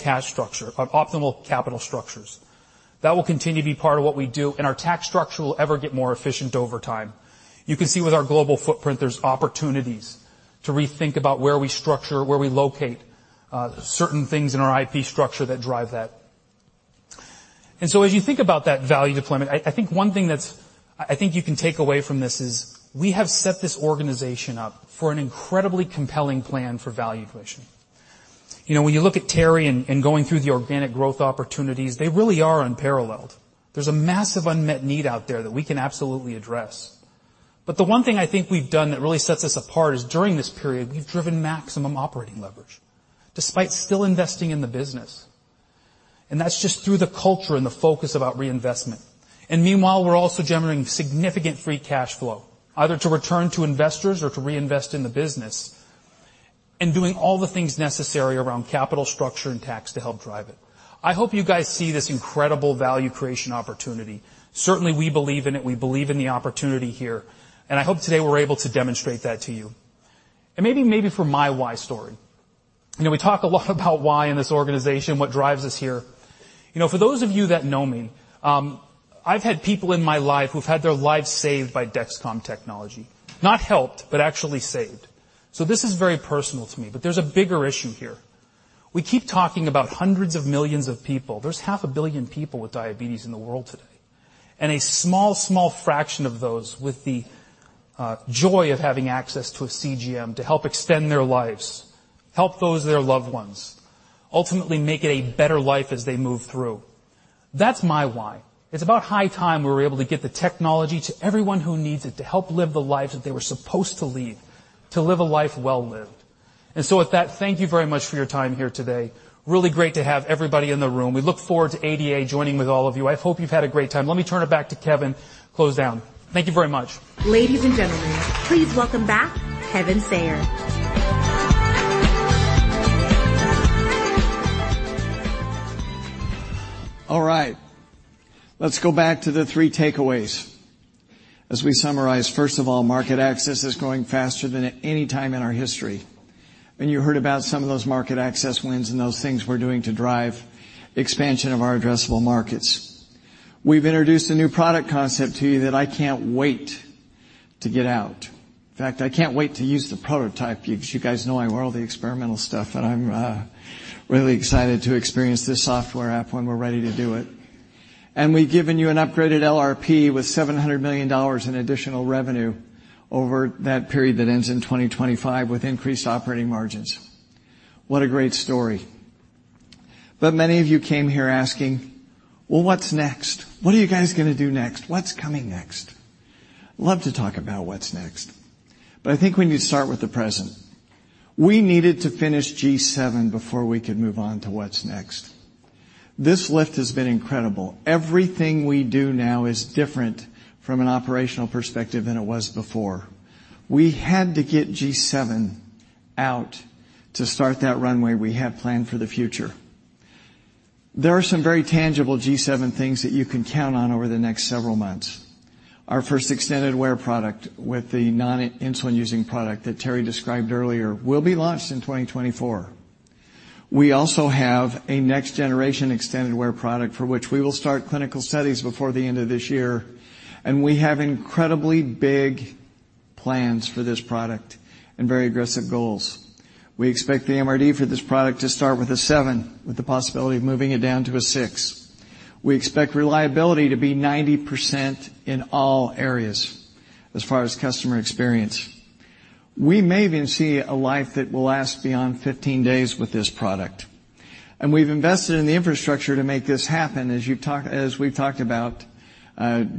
[SPEAKER 9] capital structures. That will continue to be part of what we do, and our tax structure will ever get more efficient over time. You can see with our global footprint, there's opportunities to rethink about where we structure, where we locate, certain things in our IP structure that drive that. As you think about that value deployment, I think you can take away from this is, we have set this organization up for an incredibly compelling plan for value creation. You know, when you look at Teri and going through the organic growth opportunities, they really are unparalleled. There's a massive unmet need out there that we can absolutely address. The one thing I think we've done that really sets us apart is, during this period, we've driven maximum operating leverage, despite still investing in the business, and that's just through the culture and the focus about reinvestment. Meanwhile, we're also generating significant free cash flow, either to return to investors or to reinvest in the business and doing all the things necessary around capital structure and tax to help drive it. I hope you guys see this incredible value creation opportunity. Certainly, we believe in it. We believe in the opportunity here, and I hope today we're able to demonstrate that to you. Maybe, maybe for my why story. You know, we talk a lot about why in this organization, what drives us here. You know, for those of you that know me, I've had people in my life who've had their lives saved by Dexcom technology, not helped, but actually saved. This is very personal to me, but there's a bigger issue here. We keep talking about hundreds of millions of people. There's half a billion people with diabetes in the world today, a small fraction of those with the joy of having access to a CGM to help extend their lives, help those with their loved ones, ultimately make it a better life as they move through. That's my why. It's about high time we were able to get the technology to everyone who needs it, to help live the lives that they were supposed to lead, to live a life well lived. With that, thank you very much for your time here today. Really great to have everybody in the room. We look forward to ADA joining with all of you. I hope you've had a great time. Let me turn it back to Kevin to close down. Thank you very much.
[SPEAKER 1] Ladies and gentlemen, please welcome back Kevin Sayer.
[SPEAKER 2] All right, let's go back to the three takeaways. As we summarize, first of all, market access is growing faster than at any time in our history. You heard about some of those market access wins and those things we're doing to drive expansion of our addressable markets. We've introduced a new product concept to you that I can't wait to get out. In fact, I can't wait to use the prototype because you guys know I wear all the experimental stuff, and I'm really excited to experience this software app when we're ready to do it. We've given you an upgraded LRP with $700 million in additional revenue over that period that ends in 2025, with increased operating margins. What a great story! Many of you came here asking: "Well, what's next? What are you guys gonna do next? What's coming next?" Love to talk about what's next. I think we need to start with the present. We needed to finish G7 before we could move on to what's next. This lift has been incredible. Everything we do now is different from an operational perspective than it was before. We had to get G7 out to start that runway we have planned for the future. There are some very tangible G7 things that you can count on over the next several months. Our first extended wear product, with the non-insulin-using product that Teri described earlier, will be launched in 2024. We also have a next-generation extended wear product for which we will start clinical studies before the end of this year. We have incredibly big plans for this product and very aggressive goals. We expect the MRD for this product to start with a 7, with the possibility of moving it down to a 6. We expect reliability to be 90% in all areas as far as customer experience. We may even see a life that will last beyond 15 days with this product, and we've invested in the infrastructure to make this happen. As we've talked about,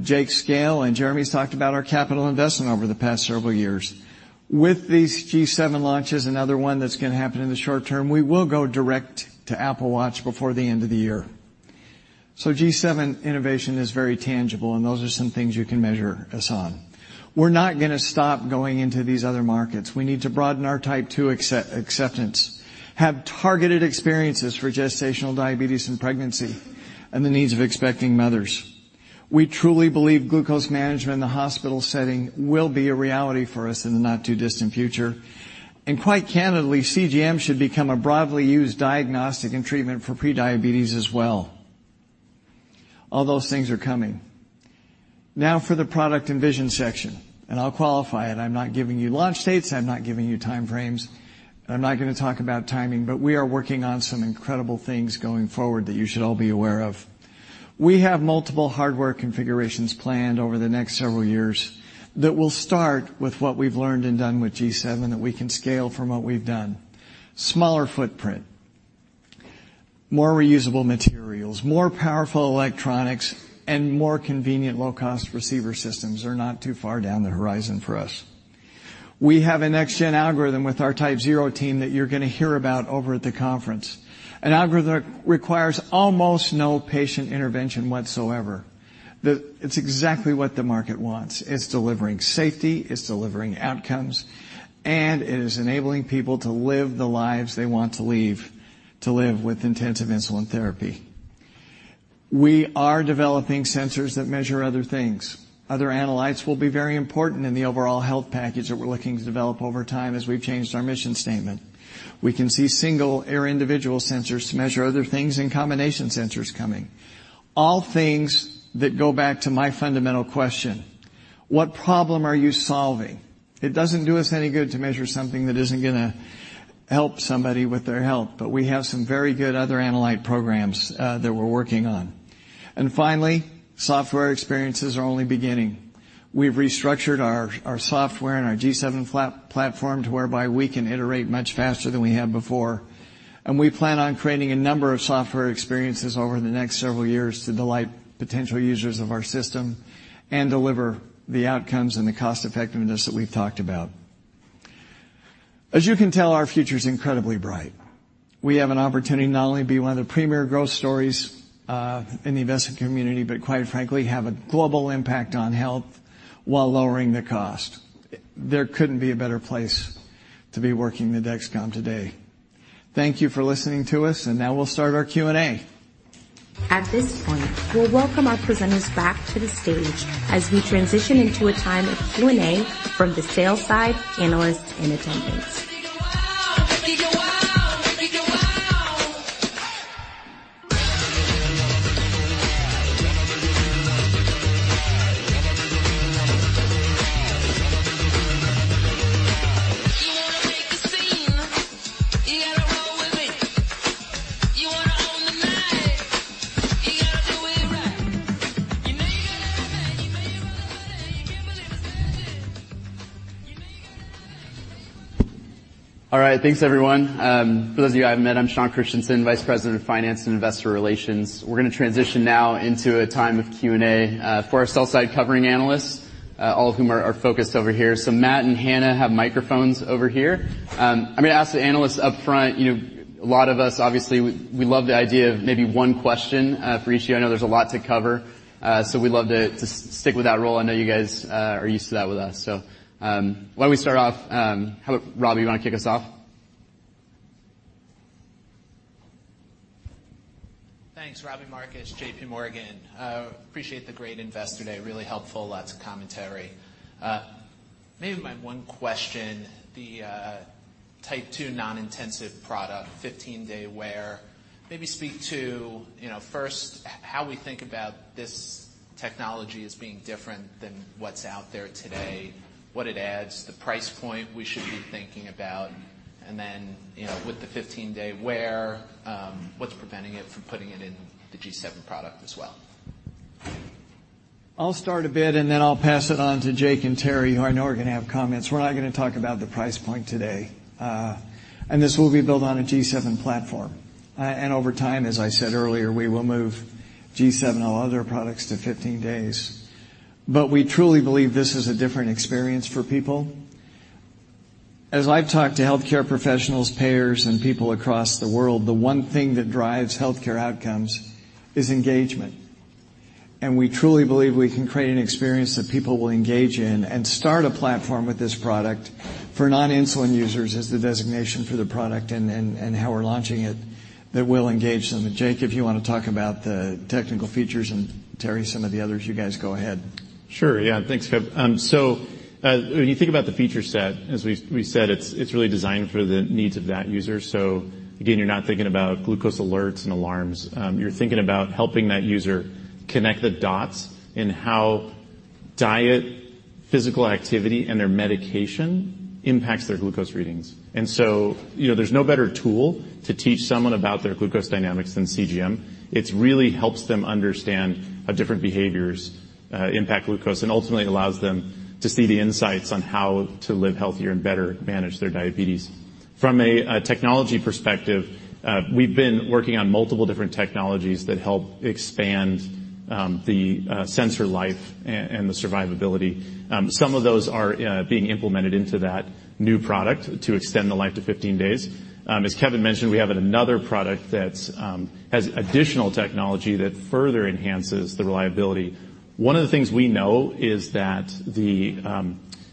[SPEAKER 2] Jake Leach and Jeremy's talked about our capital investment over the past several years. With these G7 launches, another one that's gonna happen in the short term, we will go direct to Apple Watch before the end of the year. G7 innovation is very tangible, and those are some things you can measure us on. We're not gonna stop going into these other markets. We need to broaden our Type 2 acceptance, have targeted experiences for gestational diabetes and pregnancy, and the needs of expecting mothers. We truly believe glucose management in the hospital setting will be a reality for us in the not-too-distant future. Quite candidly, CGM should become a broadly used diagnostic and treatment for prediabetes as well. All those things are coming. Now for the product and vision section, and I'll qualify it. I'm not giving you launch dates. I'm not giving you time frames. I'm not gonna talk about timing, but we are working on some incredible things going forward that you should all be aware of. We have multiple hardware configurations planned over the next several years that will start with what we've learned and done with G7, that we can scale from what we've done. Smaller footprint, more reusable materials, more powerful electronics, and more convenient, low-cost receiver systems are not too far down the horizon for us. We have a next-gen algorithm with our TypeZero team that you're gonna hear about over at the conference. An algorithm that requires almost no patient intervention whatsoever. It's exactly what the market wants. It's delivering safety, it's delivering outcomes, and it is enabling people to live the lives they want to leave, to live with intensive insulin therapy. We are developing sensors that measure other things. Other analytes will be very important in the overall health package that we're looking to develop over time, as we've changed our mission statement. We can see single or individual sensors to measure other things and combination sensors coming. All things that go back to my fundamental question: What problem are you solving? It doesn't do us any good to measure something that isn't gonna help somebody with their health, but we have some very good other analyte programs that we're working on. Finally, software experiences are only beginning. We've restructured our software and our G7 platform, to whereby we can iterate much faster than we have before. We plan on creating a number of software experiences over the next several years to delight potential users of our system and deliver the outcomes and the cost-effectiveness that we've talked about. As you can tell, our future is incredibly bright. We have an opportunity to not only be one of the premier growth stories in the investment community, but quite frankly, have a global impact on health while lowering the cost. There couldn't be a better place to be working with Dexcom today. Thank you for listening to us, and now we'll start our Q&A.
[SPEAKER 1] At this point, we'll welcome our presenters back to the stage as we transition into a time of Q&A from the sales side, analysts, and attendees.
[SPEAKER 10] All right, thanks, everyone. For those of you I haven't met, I'm Sean Christensen, Vice President of Finance and Investor Relations. We're gonna transition now into a time of Q&A for our sell-side covering analysts, all of whom are focused over here. Matt and Hannah have microphones over here. I'm gonna ask the analysts up front, you know, a lot of us, obviously, we love the idea of maybe one question for each of you. I know there's a lot to cover, so we'd love to stick with that role. I know you guys are used to that with us. Why don't we start off, Rob, you wanna kick us off?
[SPEAKER 11] Thanks. Robbie Marcus, J.P. Morgan. Appreciate the great investor day. Really helpful, lots of commentary. Maybe my one question, the Type 2 non-intensive product, 15-day wear, maybe speak to, you know, first, how we think about this technology as being different than what's out there today, what it adds, the price point we should be thinking about, and then, you know, with the 15-day wear, what's preventing it from putting it in the G7 product as well?
[SPEAKER 2] I'll start a bit, then I'll pass it on to Jake and Teri Lawver, who I know are going to have comments. We're not going to talk about the price point today. This will be built on a G7 platform. Over time, as I said earlier, we will move G7 and all other products to 15 days. We truly believe this is a different experience for people. As I've talked to healthcare professionals, payers, and people across the world, the one thing that drives healthcare outcomes is engagement, and we truly believe we can create an experience that people will engage in and start a platform with this product for non-insulin users, is the designation for the product and how we're launching it, that will engage them. Jake, if you want to talk about the technical features, and Teri, some of the others, you guys go ahead.
[SPEAKER 5] Sure. Yeah, thanks, Kev. When you think about the feature set, as we said, it's really designed for the needs of that user. So again, you're not thinking about glucose alerts and alarms. You're thinking about helping that user connect the dots in how diet, physical activity, and their medication impacts their glucose readings. You know, there's no better tool to teach someone about their glucose dynamics than CGM. It really helps them understand how different behaviors impact glucose and ultimately allows them to see the insights on how to live healthier and better manage their diabetes. From a technology perspective, we've been working on multiple different technologies that help expand the sensor life and the survivability. Some of those are being implemented into that new product to extend the life to 15 days. As Kevin mentioned, we have another product that's has additional technology that further enhances the reliability. One of the things we know is that the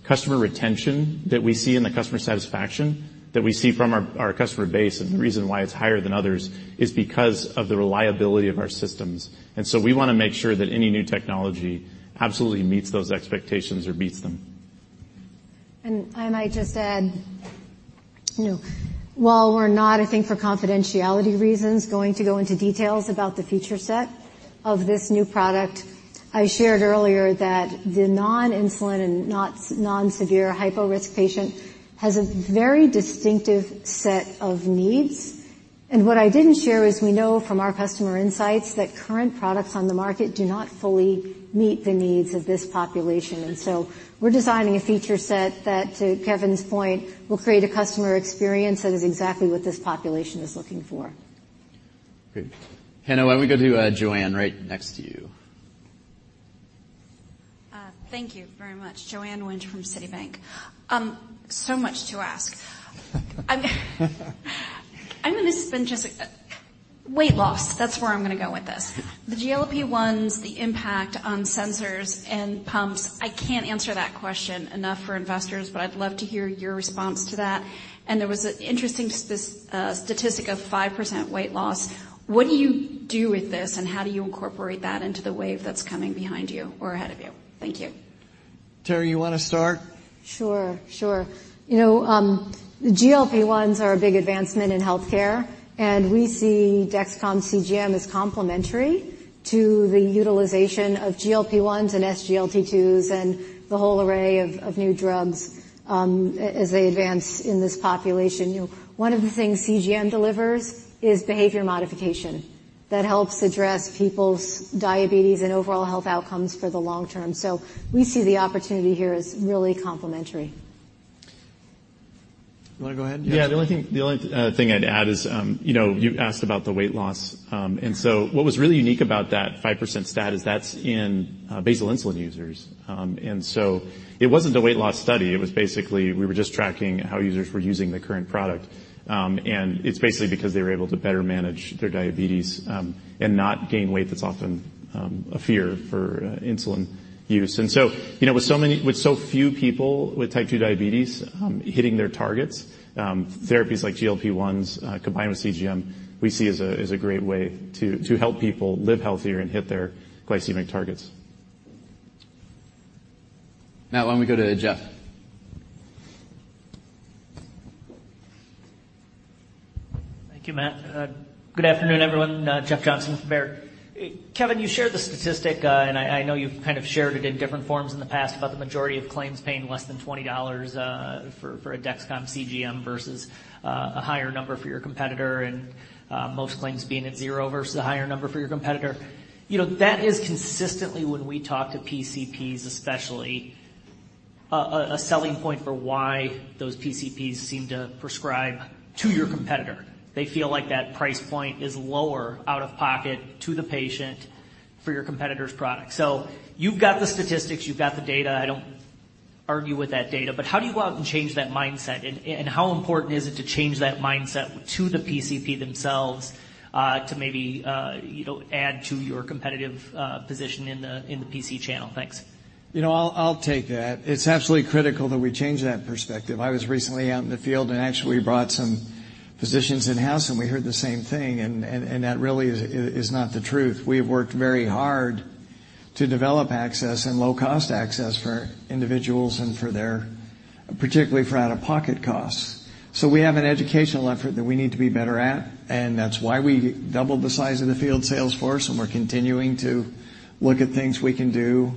[SPEAKER 5] customer retention that we see, and the customer satisfaction that we see from our customer base, and the reason why it's higher than others, is because of the reliability of our systems. We want to make sure that any new technology absolutely meets those expectations or beats them.
[SPEAKER 7] I might just add, you know, while we're not, I think for confidentiality reasons, going to go into details about the feature set of this new product, I shared earlier that the non-insulin and non-severe hypo-risk patient has a very distinctive set of needs. What I didn't share is, we know from our customer insights that current products on the market do not fully meet the needs of this population. We're designing a feature set that, to Kevin's point, will create a customer experience that is exactly what this population is looking for.
[SPEAKER 10] Great. Hannah, why don't we go to Joanne, right next to you?
[SPEAKER 12] Thank you very much. Joanne Wuensch from Citibank. So much to ask. I'm going to spend just. Weight loss, that's where I'm going to go with this. The GLP-1s, the impact on sensors and pumps, I can't answer that question enough for investors, but I'd love to hear your response to that. There was an interesting statistic of 5% weight loss. What do you do with this, and how do you incorporate that into the wave that's coming behind you or ahead of you? Thank you.
[SPEAKER 2] Teri, you want to start?
[SPEAKER 7] Sure, sure. You know, the GLP-1s are a big advancement in healthcare, and we see Dexcom CGM as complementary to the utilization of GLP-1s and SGLT2s and the whole array of new drugs, as they advance in this population. You know, one of the things CGM delivers is behavior modification that helps address people's diabetes and overall health outcomes for the long term. We see the opportunity here as really complementary.
[SPEAKER 2] You want to go ahead?
[SPEAKER 5] Yeah. The only thing, the only thing I'd add is, you know, you asked about the weight loss. What was really unique about that 5% stat is that's in basal insulin users. It wasn't a weight loss study. It was basically, we were just tracking how users were using the current product. And it's basically because they were able to better manage their diabetes and not gain weight. That's often a fear for insulin use. You know, with so few people with Type 2 diabetes hitting their targets, therapies like GLP-1s combined with CGM, we see as a great way to help people live healthier and hit their glycemic targets.
[SPEAKER 10] Why don't we go to Jeff?
[SPEAKER 13] Thank you, Matt. Good afternoon, everyone, Jeff Johnson with Baird. Kevin, you shared the statistic, and I know you've kind of shared it in different forms in the past, about the majority of claims paying less than $20 for a Dexcom CGM versus a higher number for your competitor, and most claims being at zero versus a higher number for your competitor. You know, that is consistently, when we talk to PCPs especially, a selling point for why those PCPs seem to prescribe to your competitor. They feel like that price point is lower out of pocket to the patient for your competitor's product. You've got the statistics, you've got the data. I don't argue with that data. How do you go out and change that mindset, and how important is it to change that mindset to the PCP themselves, to maybe, you know, add to your competitive position in the PC channel? Thanks.
[SPEAKER 2] You know, I'll take that. It's absolutely critical that we change that perspective. I was recently out in the field and actually brought physicians in-house, and we heard the same thing, and that really is not the truth. We have worked very hard to develop access and low-cost access for individuals and for their, particularly for out-of-pocket costs. We have an educational effort that we need to be better at, and that's why we doubled the size of the field sales force, and we're continuing to look at things we can do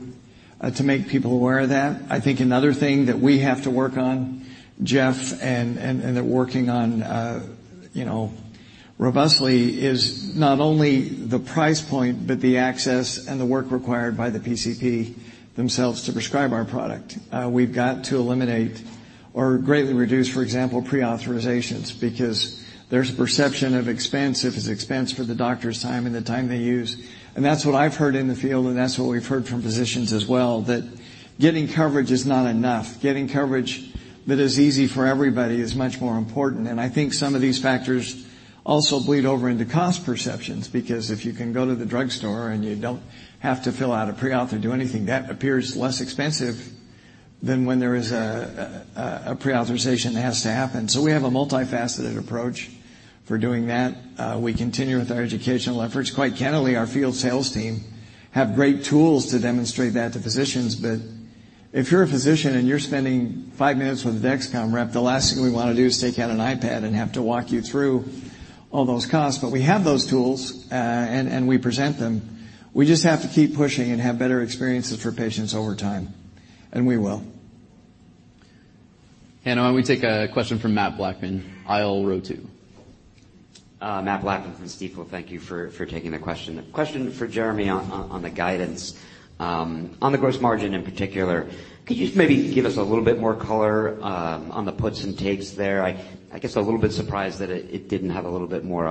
[SPEAKER 2] to make people aware of that. I think another thing that we have to work on, Jeff, and they're working on, you know, robustly, is not only the price point, but the access and the work required by the PCP themselves to prescribe our product. We've got to eliminate or greatly reduce, for example, pre-authorizations, because there's a perception of expense. It is expense for the doctor's time and the time they use, and that's what I've heard in the field, and that's what we've heard from physicians as well, that getting coverage is not enough. Getting coverage that is easy for everybody is much more important. I think some of these factors also bleed over into cost perceptions, because if you can go to the drugstore and you don't have to fill out a pre-auth or do anything, that appears less expensive than when there is a pre-authorization that has to happen. We have a multifaceted approach for doing that. We continue with our educational efforts. Quite candidly, our field sales team have great tools to demonstrate that to physicians, if you're a physician and you're spending five minutes with a Dexcom rep, the last thing we want to do is take out an iPad and have to walk you through all those costs. We have those tools, and we present them. We just have to keep pushing and have better experiences for patients over time, and we will.
[SPEAKER 10] Hannah, why don't we take a question from Mathew Blackman, aisle row two?
[SPEAKER 14] Mathew Blackman from Stifel. Thank you for taking the question. A question for Jeremy on the guidance. On the gross margin in particular, could you maybe give us a little bit more color on the puts and takes there? I guess a little bit surprised that it didn't have a little bit more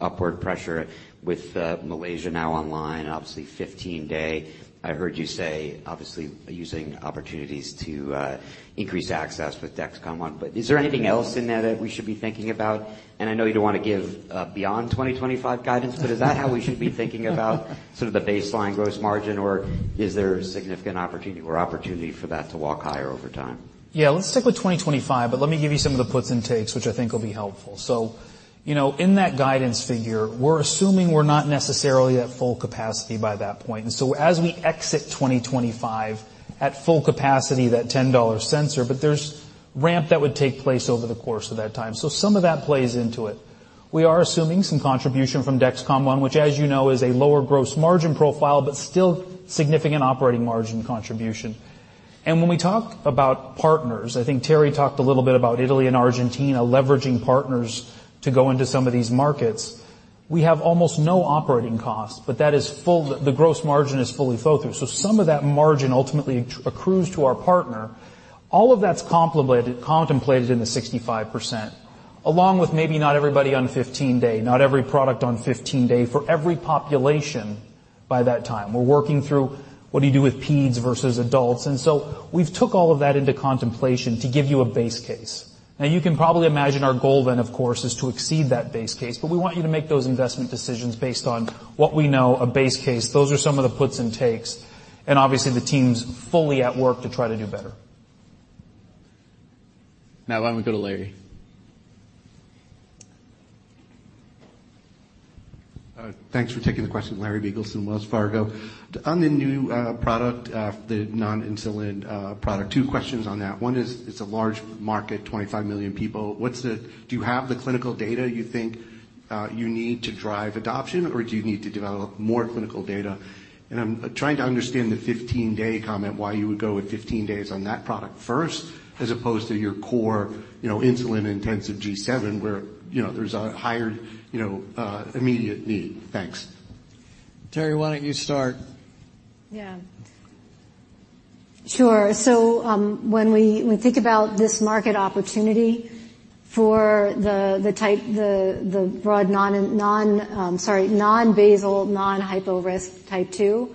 [SPEAKER 14] upward pressure with Malaysia now online, obviously, 15-day. I heard you say, obviously, using opportunities to increase access with Dexcom ONE, but is there anything else in there that we should be thinking about? I know you don't want to give beyond 2025 guidance, but is that how we should be thinking about sort of the baseline gross margin, or is there a significant opportunity for that to walk higher over time?
[SPEAKER 9] Yeah, let's stick with 2025, but let me give you some of the puts and takes, which I think will be helpful. You know, in that guidance figure, we're assuming we're not necessarily at full capacity by that point. As we exit 2025 at full capacity, that $10 sensor, but there's ramp that would take place over the course of that time. Some of that plays into it. We are assuming some contribution from Dexcom ONE, which, as you know, is a lower gross margin profile, but still significant operating margin contribution. When we talk about partners, I think Teri talked a little bit about Italy and Argentina, leveraging partners to go into some of these markets. We have almost no operating costs, but that is the gross margin is fully flow through. Some of that margin ultimately accrues to our partner. All of that's contemplated in the 65%, along with maybe not everybody on 15-day, not every product on 15-day, for every population by that time. We're working through what do you do with peds versus adults, and so we've took all of that into contemplation to give you a base case. You can probably imagine our goal then, of course, is to exceed that base case, but we want you to make those investment decisions based on what we know, a base case. Those are some of the puts and takes, and obviously, the team's fully at work to try to do better.
[SPEAKER 10] Why don't we go to Larry?
[SPEAKER 15] Thanks for taking the question. Larry Biegelsen, Wells Fargo. On the new product, the non-insulin product, 2 questions on that. One is, it's a large market, 25 million people. Do you have the clinical data you think you need to drive adoption, or do you need to develop more clinical data? I'm trying to understand the 15-day comment, why you would go with 15 days on that product first, as opposed to your core, you know, insulin-intensive G7, where, you know, there's a higher, you know, immediate need. Thanks.
[SPEAKER 9] Teri, why don't you start?
[SPEAKER 7] Yeah. Sure. When we think about this market opportunity for the type, the broad non, sorry, non-basal, non-hypo risk Type 2,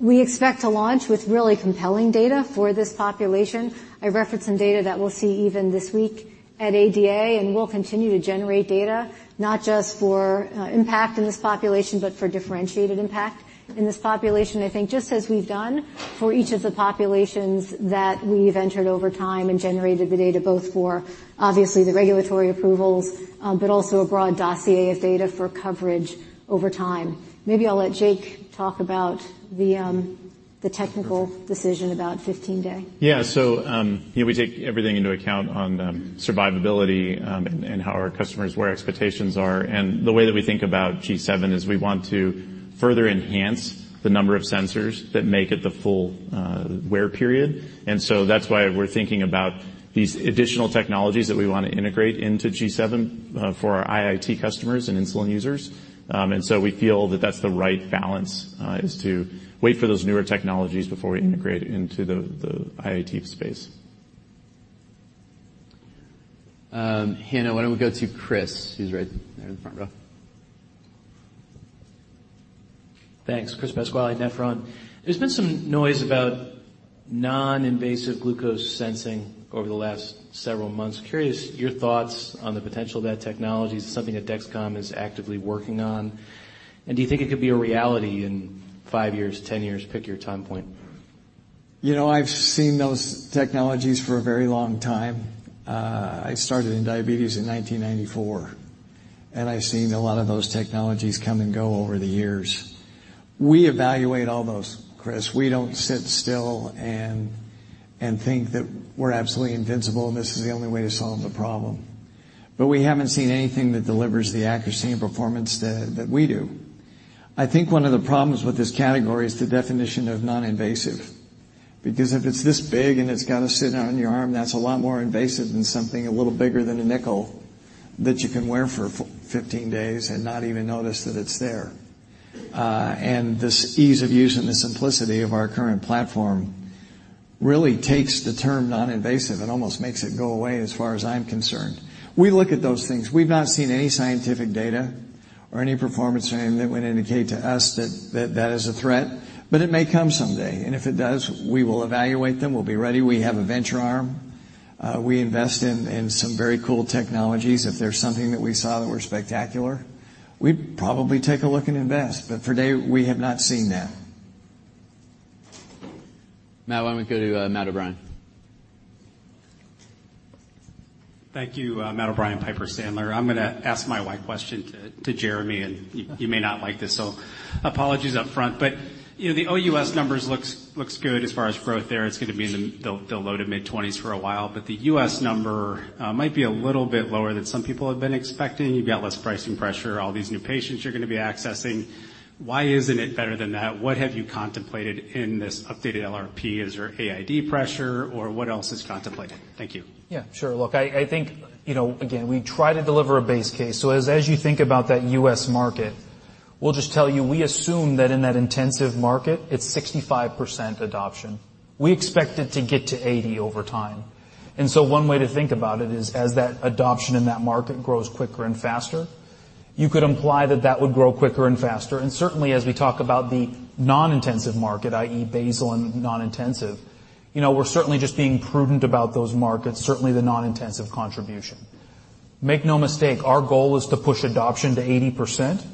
[SPEAKER 7] we expect to launch with really compelling data for this population. I referenced some data that we'll see even this week at ADA, and we'll continue to generate data, not just for impact in this population, but for differentiated impact in this population, I think just as we've done for each of the populations that we've entered over time and generated the data both for, obviously, the regulatory approvals, but also a broad dossier of data for coverage over time. Maybe I'll let Jake talk about the technical decision about 15-day.
[SPEAKER 5] We take everything into account on survivability, and how our customers' wear expectations are. The way that we think about G7 is we want to further enhance the number of sensors that make it the full wear period. That's why we're thinking about these additional technologies that we want to integrate into G7 for our IIT customers and insulin users. We feel that that's the right balance, is to wait for those newer technologies before we integrate into the IIT space.
[SPEAKER 10] Hannah, why don't we go to Chris, who's right there in the front row?
[SPEAKER 16] Thanks. Chris Pasquale, Nephron. There's been some noise about non-invasive glucose sensing over the last several months. Curious, your thoughts on the potential of that technology, something that Dexcom is actively working on, and do you think it could be a reality in 5 years, 10 years? Pick your time point.
[SPEAKER 2] You know, I've seen those technologies for a very long time. I started in diabetes in 1994, I've seen a lot of those technologies come and go over the years. We evaluate all those, Chris. We don't sit still and think that we're absolutely invincible, and this is the only way to solve the problem. We haven't seen anything that delivers the accuracy and performance that we do. I think one of the problems with this category is the definition of non-invasive. If it's this big and it's got to sit on your arm, that's a lot more invasive than something a little bigger than a nickel, that you can wear for 15 days and not even notice that it's there. This ease of use and the simplicity of our current platform really takes the term non-invasive and almost makes it go away, as far as I'm concerned. We look at those things. We've not seen any scientific data or any performance claim that would indicate to us that that is a threat. It may come someday. If it does, we will evaluate them. We'll be ready. We have a venture arm. We invest in some very cool technologies. If there's something that we saw that were spectacular, we'd probably take a look and invest. For today, we have not seen that.
[SPEAKER 10] Matt, why don't we go to, Matt O'Brien?
[SPEAKER 17] Thank you. Matt O'Brien, Piper Sandler. I'm going to ask my why question to Jeremy, and you may not like this, so apologies upfront. You know, the OUS numbers looks good as far as growth there. It's going to be in the low to mid-20s for a while, but the US number might be a little bit lower than some people have been expecting. You've got less pricing pressure, all these new patients you're going to be accessing. Why isn't it better than that? What have you contemplated in this updated LRP? Is there AID pressure, or what else is contemplated? Thank you.
[SPEAKER 9] Yeah, sure. Look, I think, you know, again, we try to deliver a base case. As you think about that U.S. market, we'll just tell you, we assume that in that intensive market, it's 65% adoption. We expect it to get to 80 over time. One way to think about it is as that adoption in that market grows quicker and faster, you could imply that that would grow quicker and faster. Certainly, as we talk about the non-intensive market, i.e., basal and non-intensive, you know, we're certainly just being prudent about those markets, certainly the non-intensive contribution. Make no mistake, our goal is to push adoption to 80%.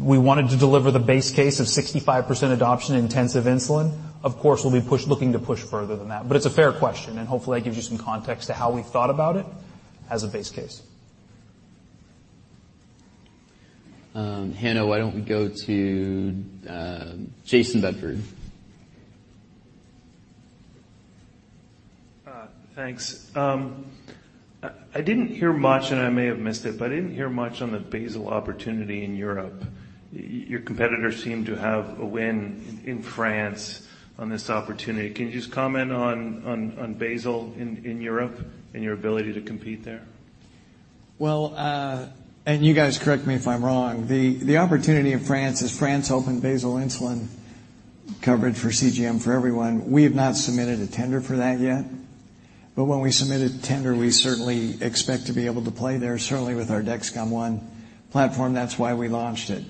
[SPEAKER 9] We wanted to deliver the base case of 65% adoption in intensive insulin. Of course, we'll be looking to push further than that, but it's a fair question, and hopefully, that gives you some context to how we thought about it as a base case.
[SPEAKER 10] Hannah, why don't we go to Jayson Bedford?
[SPEAKER 18] Thanks. I didn't hear much, and I may have missed it, but I didn't hear much on the basal opportunity in Europe. Your competitors seem to have a win in France on this opportunity. Can you just comment on basal in Europe and your ability to compete there?
[SPEAKER 2] You guys correct me if I'm wrong, the opportunity in France is France opened basal insulin coverage for CGM for everyone. We have not submitted a tender for that yet, when we submit a tender, we certainly expect to be able to play there, certainly with our Dexcom ONE platform. That's why we launched it.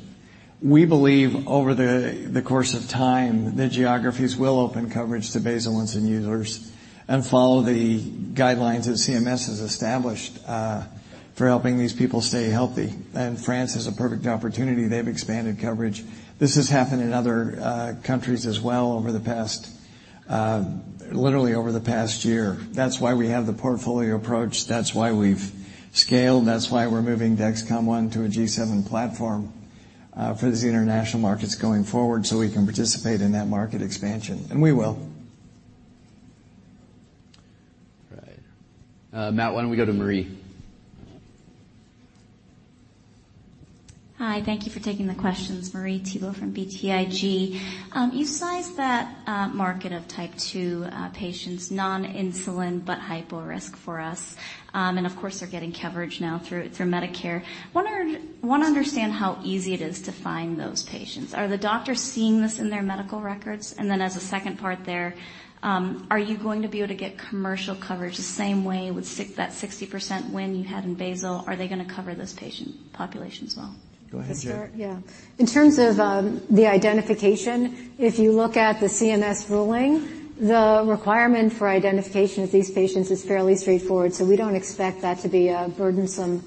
[SPEAKER 2] We believe over the course of time, the geographies will open coverage to basal insulin users and follow the guidelines that CMS has established for helping these people stay healthy. France is a perfect opportunity. They've expanded coverage. This has happened in other countries as well over the past, literally over the past year. That's why we have the portfolio approach. That's why we've scaled, that's why we're moving Dexcom ONE to a G7 platform for these international markets going forward, so we can participate in that market expansion. We will.
[SPEAKER 10] All right. Matt, why don't we go to Marie?
[SPEAKER 19] Hi, thank you for taking the questions. Marie Thibault from BTIG. You sized that market of Type 2 patients, non-insulin, but hypo risk for us. Of course, they're getting coverage now through Medicare. Want to understand how easy it is to find those patients. Are the doctors seeing this in their medical records? Then as a second part there, are you going to be able to get commercial coverage the same way with that 60% win you had in basal? Are they going to cover this patient population as well?
[SPEAKER 2] Go ahead, Jer.
[SPEAKER 7] To start? Yeah. In terms of the identification, if you look at the CMS ruling, the requirement for identification of these patients is fairly straightforward, we don't expect that to be a burdensome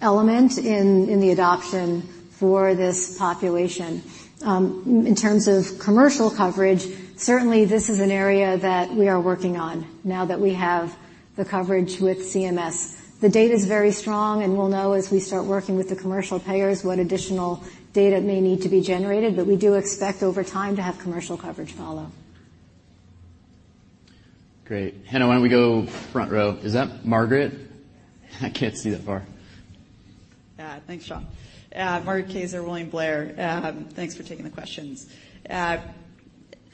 [SPEAKER 7] element in the adoption for this population. In terms of commercial coverage, certainly, this is an area that we are working on now that we have the coverage with CMS. The data is very strong, we'll know as we start working with the commercial payers, what additional data may need to be generated, we do expect over time to have commercial coverage follow.
[SPEAKER 10] Great. Hannah, why don't we go front row? Is that Margaret? I can't see that far.
[SPEAKER 20] Thanks, Sean. Margaret Kayser, William Blair. Thanks for taking the questions.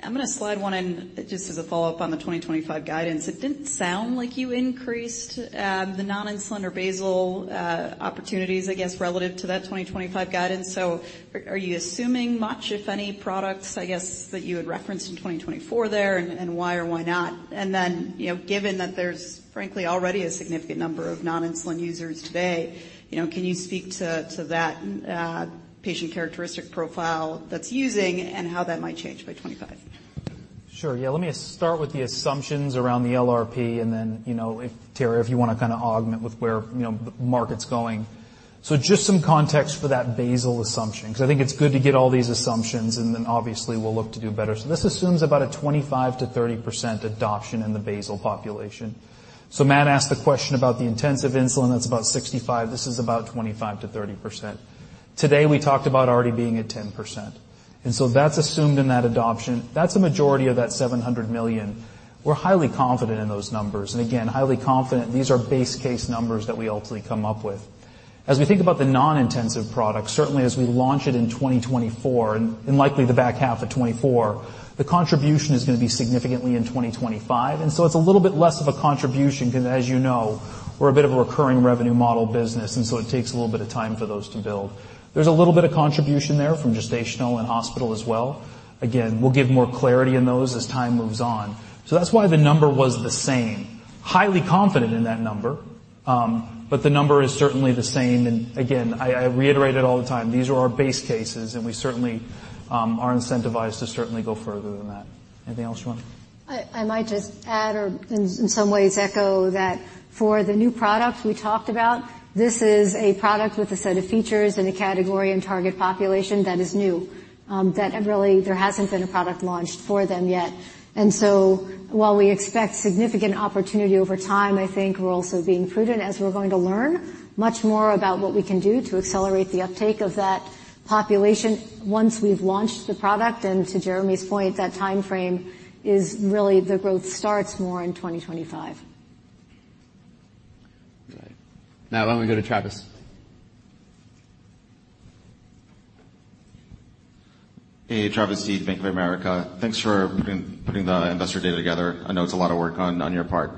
[SPEAKER 20] I'm going to slide one in just as a follow-up on the 2025 guidance. It didn't sound like you increased the non-insulin or basal opportunities, I guess, relative to that 2025 guidance. Are you assuming much, if any, products, I guess, that you had referenced in 2024 there, and why or why not? Then, you know, given that there's frankly, already a significant number of non-insulin users today, you know, can you speak to that patient characteristic profile that's using and how that might change by 2025?
[SPEAKER 9] Sure. Yeah. Let me start with the assumptions around the LRP, and then, you know, if, Terri, if you want to kind of augment with where, you know, the market's going. Just some context for that basal assumption, because I think it's good to get all these assumptions, and then, obviously, we'll look to do better. This assumes about a 25%-30% adoption in the basal population. Matt asked the question about the intensive insulin, that's about 65. This is about 25%-30%. Today, we talked about already being at 10%, that's assumed in that adoption. That's a majority of that $700 million. We're highly confident in those numbers, highly confident these are base case numbers that we ultimately come up with. As we think about the non-intensive product, certainly as we launch it in 2024 and likely the back half of 2024, the contribution is going to be significantly in 2025. It's a little bit less of a contribution, because as you know, we're a bit of a recurring revenue model business. It takes a little bit of time for those to build. There's a little bit of contribution there from gestational and hospital as well. We'll give more Clarity in those as time moves on. That's why the number was the same. Highly confident in that number, the number is certainly the same. I reiterate it all the time, these are our base cases, and we certainly are incentivized to certainly go further than that. Anything else you want?
[SPEAKER 7] I might just add, or in some ways, echo, that for the new product we talked about, this is a product with a set of features and a category and target population that is new, that really there hasn't been a product launched for them yet. While we expect significant opportunity over time, I think we're also being prudent as we're going to learn much more about what we can do to accelerate the uptake of that population once we've launched the product. To Jeremy's point, that time frame is really the growth starts more in 2025.
[SPEAKER 10] Right. Why don't we go to Travis?
[SPEAKER 21] Hey, Travis Steed, Bank of America. Thanks for putting the investor data together. I know it's a lot of work on your part.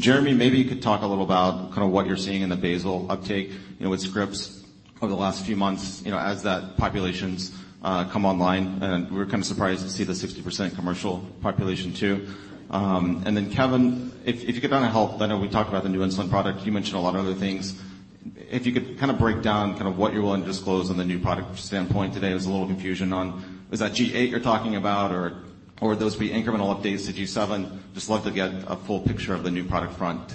[SPEAKER 21] Jeremy, maybe you could talk a little about kind of what you're seeing in the basal uptake, you know, with scripts over the last few months, you know, as that populations come online, and we're kind of surprised to see the 60% commercial population, too. Kevin, if you could kind of help, I know we talked about the new insulin product. You mentioned a lot of other things. If you could kind of break down kind of what you're willing to disclose on the new product standpoint today. There was a little confusion on, is that G8 you're talking about, or would those be incremental updates to G7? Just love to get a full picture of the new product front.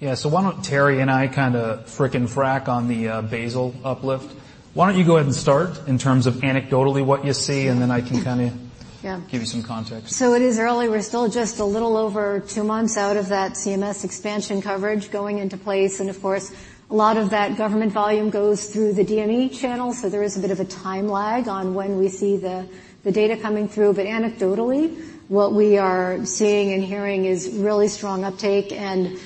[SPEAKER 9] Yeah. Why don't Terri and I kind of frick and frack on the basal uplift? Why don't you go ahead and start in terms of anecdotally what you see, and then I can kind of-
[SPEAKER 7] Yeah.
[SPEAKER 9] Give you some context.
[SPEAKER 7] It is early. We're still just a little over two months out of that CMS expansion coverage going into place, and of course, a lot of that government volume goes through the DME channel, so there is a bit of a time lag on when we see the data coming through. Anecdotally, what we are seeing and hearing is really strong uptake, and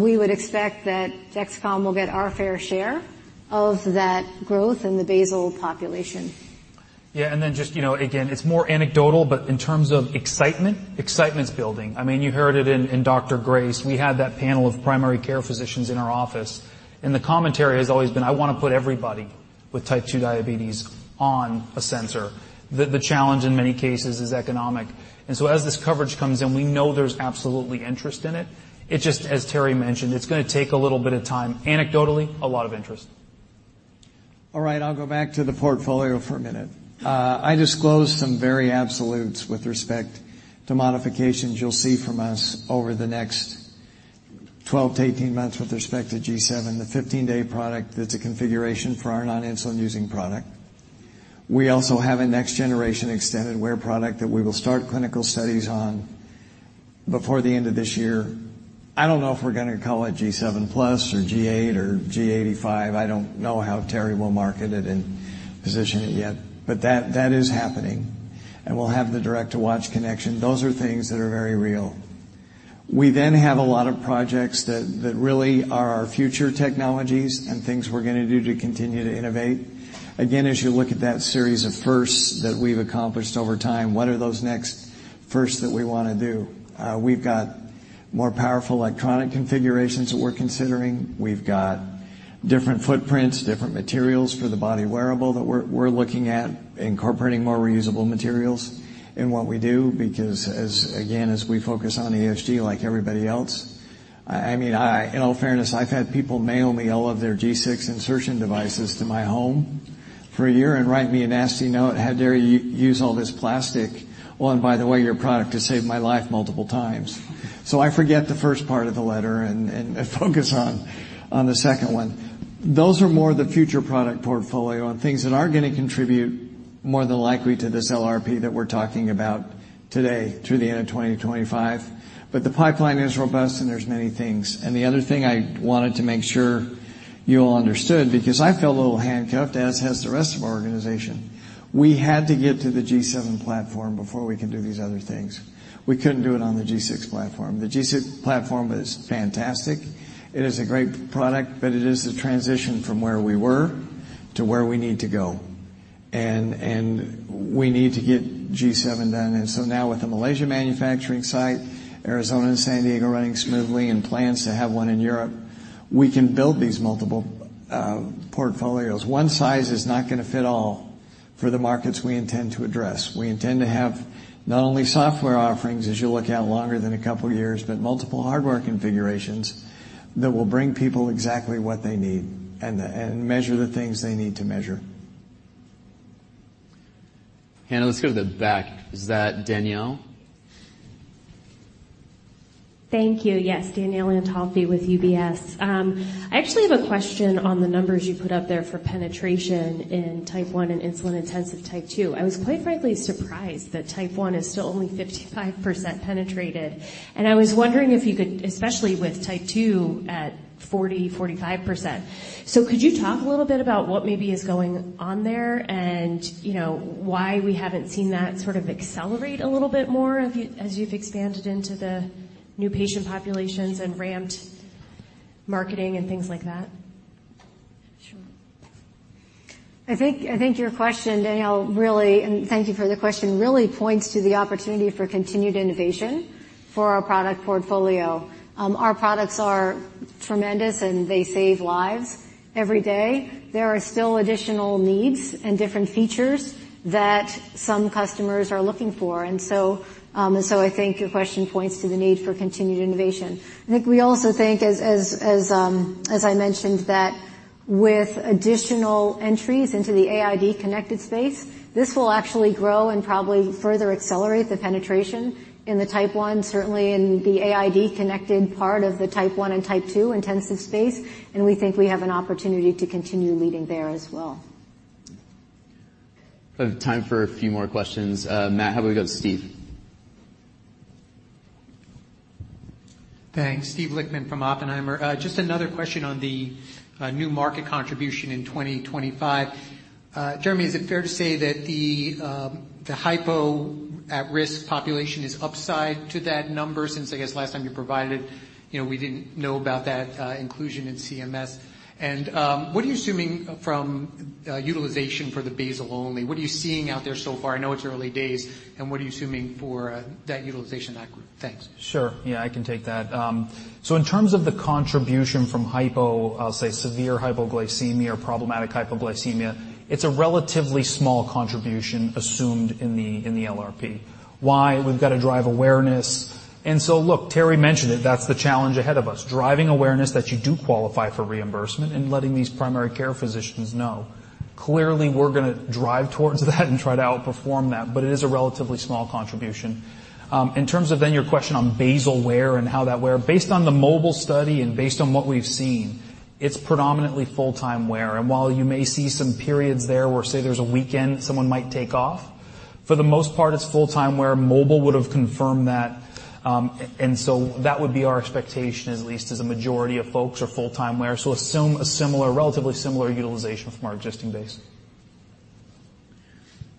[SPEAKER 7] we would expect that Dexcom will get our fair share of that growth in the basal population.
[SPEAKER 9] Just, you know, again, it's more anecdotal, but in terms of excitement's building. I mean, you heard it in Dr. Grace. We had that panel of primary care physicians in our office, and the commentary has always been, "I want to put everybody with Type 2 diabetes on a sensor." The, the challenge in many cases is economic. As this coverage comes in, we know there's absolutely interest in it. It just, as Terri mentioned, it's going to take a little bit of time. Anecdotally, a lot of interest.
[SPEAKER 2] All right, I'll go back to the portfolio for a minute. I disclosed some very absolutes with respect to modifications you'll see from us over the next 12 to 18 months with respect to G7, the 15-day product that's a configuration for our non-insulin using product. We also have a next generation extended wear product that we will start clinical studies on before the end of this year. I don't know if we're going to call it G7 Plus or G8 or G85. I don't know how Terri will market it and position it yet, but that is happening, and we'll have the direct-to-watch connection. Those are things that are very real. We have a lot of projects that really are our future technologies and things we're going to do to continue to innovate. Again, as you look at that series of firsts that we've accomplished over time, what are those next firsts that we want to do? We've got more powerful electronic configurations that we're considering. We've got different footprints, different materials for the body wearable that we're looking at, incorporating more reusable materials in what we do, because as, again, as we focus on ESG like everybody else... I mean, I, in all fairness, I've had people mail me all of their G6 insertion devices to my home for a year and write me a nasty note, "How dare you use all this plastic? Oh, and by the way, your product has saved my life multiple times." I forget the first part of the letter and focus on the second one. Those are more the future product portfolio and things that are going to contribute more than likely to this LRP that we're talking about today through the end of 2025. The pipeline is robust, and there's many things. The other thing I wanted to make sure you all understood, because I felt a little handcuffed, as has the rest of our organization, we had to get to the G7 platform before we could do these other things. We couldn't do it on the G6 platform. The G6 platform is fantastic. It is a great product, but it is a transition from where we were to where we need to go, and we need to get G7 done. Now with the Malaysia manufacturing site, Arizona and San Diego running smoothly, and plans to have one in Europe, we can build these multiple portfolios. One size is not going to fit all for the markets we intend to address. We intend to have not only software offerings, as you look out longer than a couple of years, but multiple hardware configurations that will bring people exactly what they need and measure the things they need to measure.
[SPEAKER 10] Hannah, let's go to the back. Is that Danielle?
[SPEAKER 22] Thank you. Yes, Danielle Antalffy with UBS. I actually have a question on the numbers you put up there for penetration in Type 1 and insulin-intensive Type 2. I was quite frankly surprised that Type 1 is still only 55% penetrated, and I was wondering if you could, especially with Type 2 at 40%-45%? Could you talk a little bit about what maybe is going on there, and, you know, why we haven't seen that sort of accelerate a little bit more as you've expanded into the new patient populations and ramped marketing and things like that?
[SPEAKER 7] Sure. I think your question, Danielle, really, and thank you for the question, really points to the opportunity for continued innovation for our product portfolio. Our products are tremendous, and they save lives every day. There are still additional needs and different features that some customers are looking for, so I think your question points to the need for continued innovation. I think we also think as I mentioned, that with additional entries into the AID connected space, this will actually grow and probably further accelerate the penetration in the Type 1, certainly in the AID connected part of the Type 1 and Type 2 intensive space, and we think we have an opportunity to continue leading there as well.
[SPEAKER 5] We have time for a few more questions. Matt, how about we go to Steve Lichtman?
[SPEAKER 23] Thanks. Steven Lichtman from Oppenheimer. Just another question on the new market contribution in 2025. Jeremy, is it fair to say that the hypo at-risk population is upside to that number since, I guess, last time you provided it, you know, we didn't know about that inclusion in CMS? What are you assuming from utilization for the basal only? What are you seeing out there so far? I know it's early days, what are you assuming for that utilization, that group? Thanks.
[SPEAKER 9] Sure. Yeah, I can take that. In terms of the contribution from hypo, I'll say severe hypoglycemia or problematic hypoglycemia, it's a relatively small contribution assumed in the LRP. Why? We've got to drive awareness. Look, Teri mentioned it. That's the challenge ahead of us, driving awareness that you do qualify for reimbursement and letting these primary care physicians know. Clearly, we're going to drive towards that and try to outperform that, but it is a relatively small contribution. In terms of your question on basal wear and how that wear, based on the MOBILE study and based on what we've seen, it's predominantly full-time wear. While you may see some periods there, where, say, there's a weekend, someone might take off, for the most part, it's full-time wear. MOBILE would have confirmed that, and so that would be our expectation, at least as a majority of folks, are full-time wear. Assume a similar, relatively similar utilization from our existing base.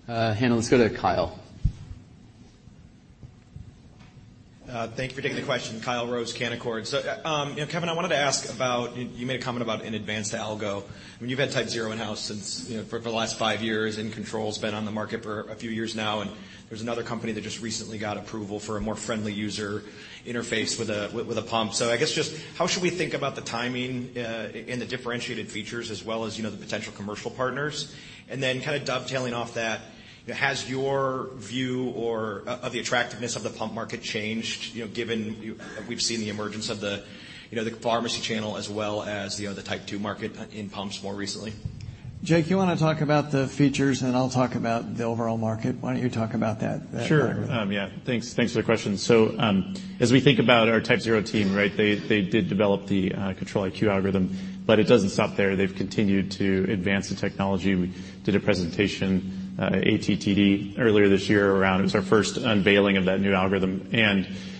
[SPEAKER 10] Hannah, let's go to Kyle.
[SPEAKER 24] Thank you for taking the question. Kyle Rose, Canaccord. Kevin, I wanted to ask about... You made a comment about an advanced algo. I mean, you've had TypeZero in-house since, you know, for the last five years, Control's been on the market for a few years now, there's another company that just recently got approval for a more friendly user interface with a pump. I guess just how should we think about the timing and the differentiated features as well as, you know, the potential commercial partners? Kind of dovetailing off that, has your view or of the attractiveness of the pump market changed, you know, given we've seen the emergence of the, you know, the pharmacy channel as well as, you know, the Type 2 market in pumps more recently?
[SPEAKER 2] Jake, you want to talk about the features, and I'll talk about the overall market? Why don't you talk about that?
[SPEAKER 5] Sure. Yeah. Thanks for the question. As we think about our TypeZero team, right, they did develop the Control-IQ algorithm, but it doesn't stop there. They've continued to advance the technology. We did a presentation, ATTD, earlier this year around. It was our first unveiling of that new algorithm.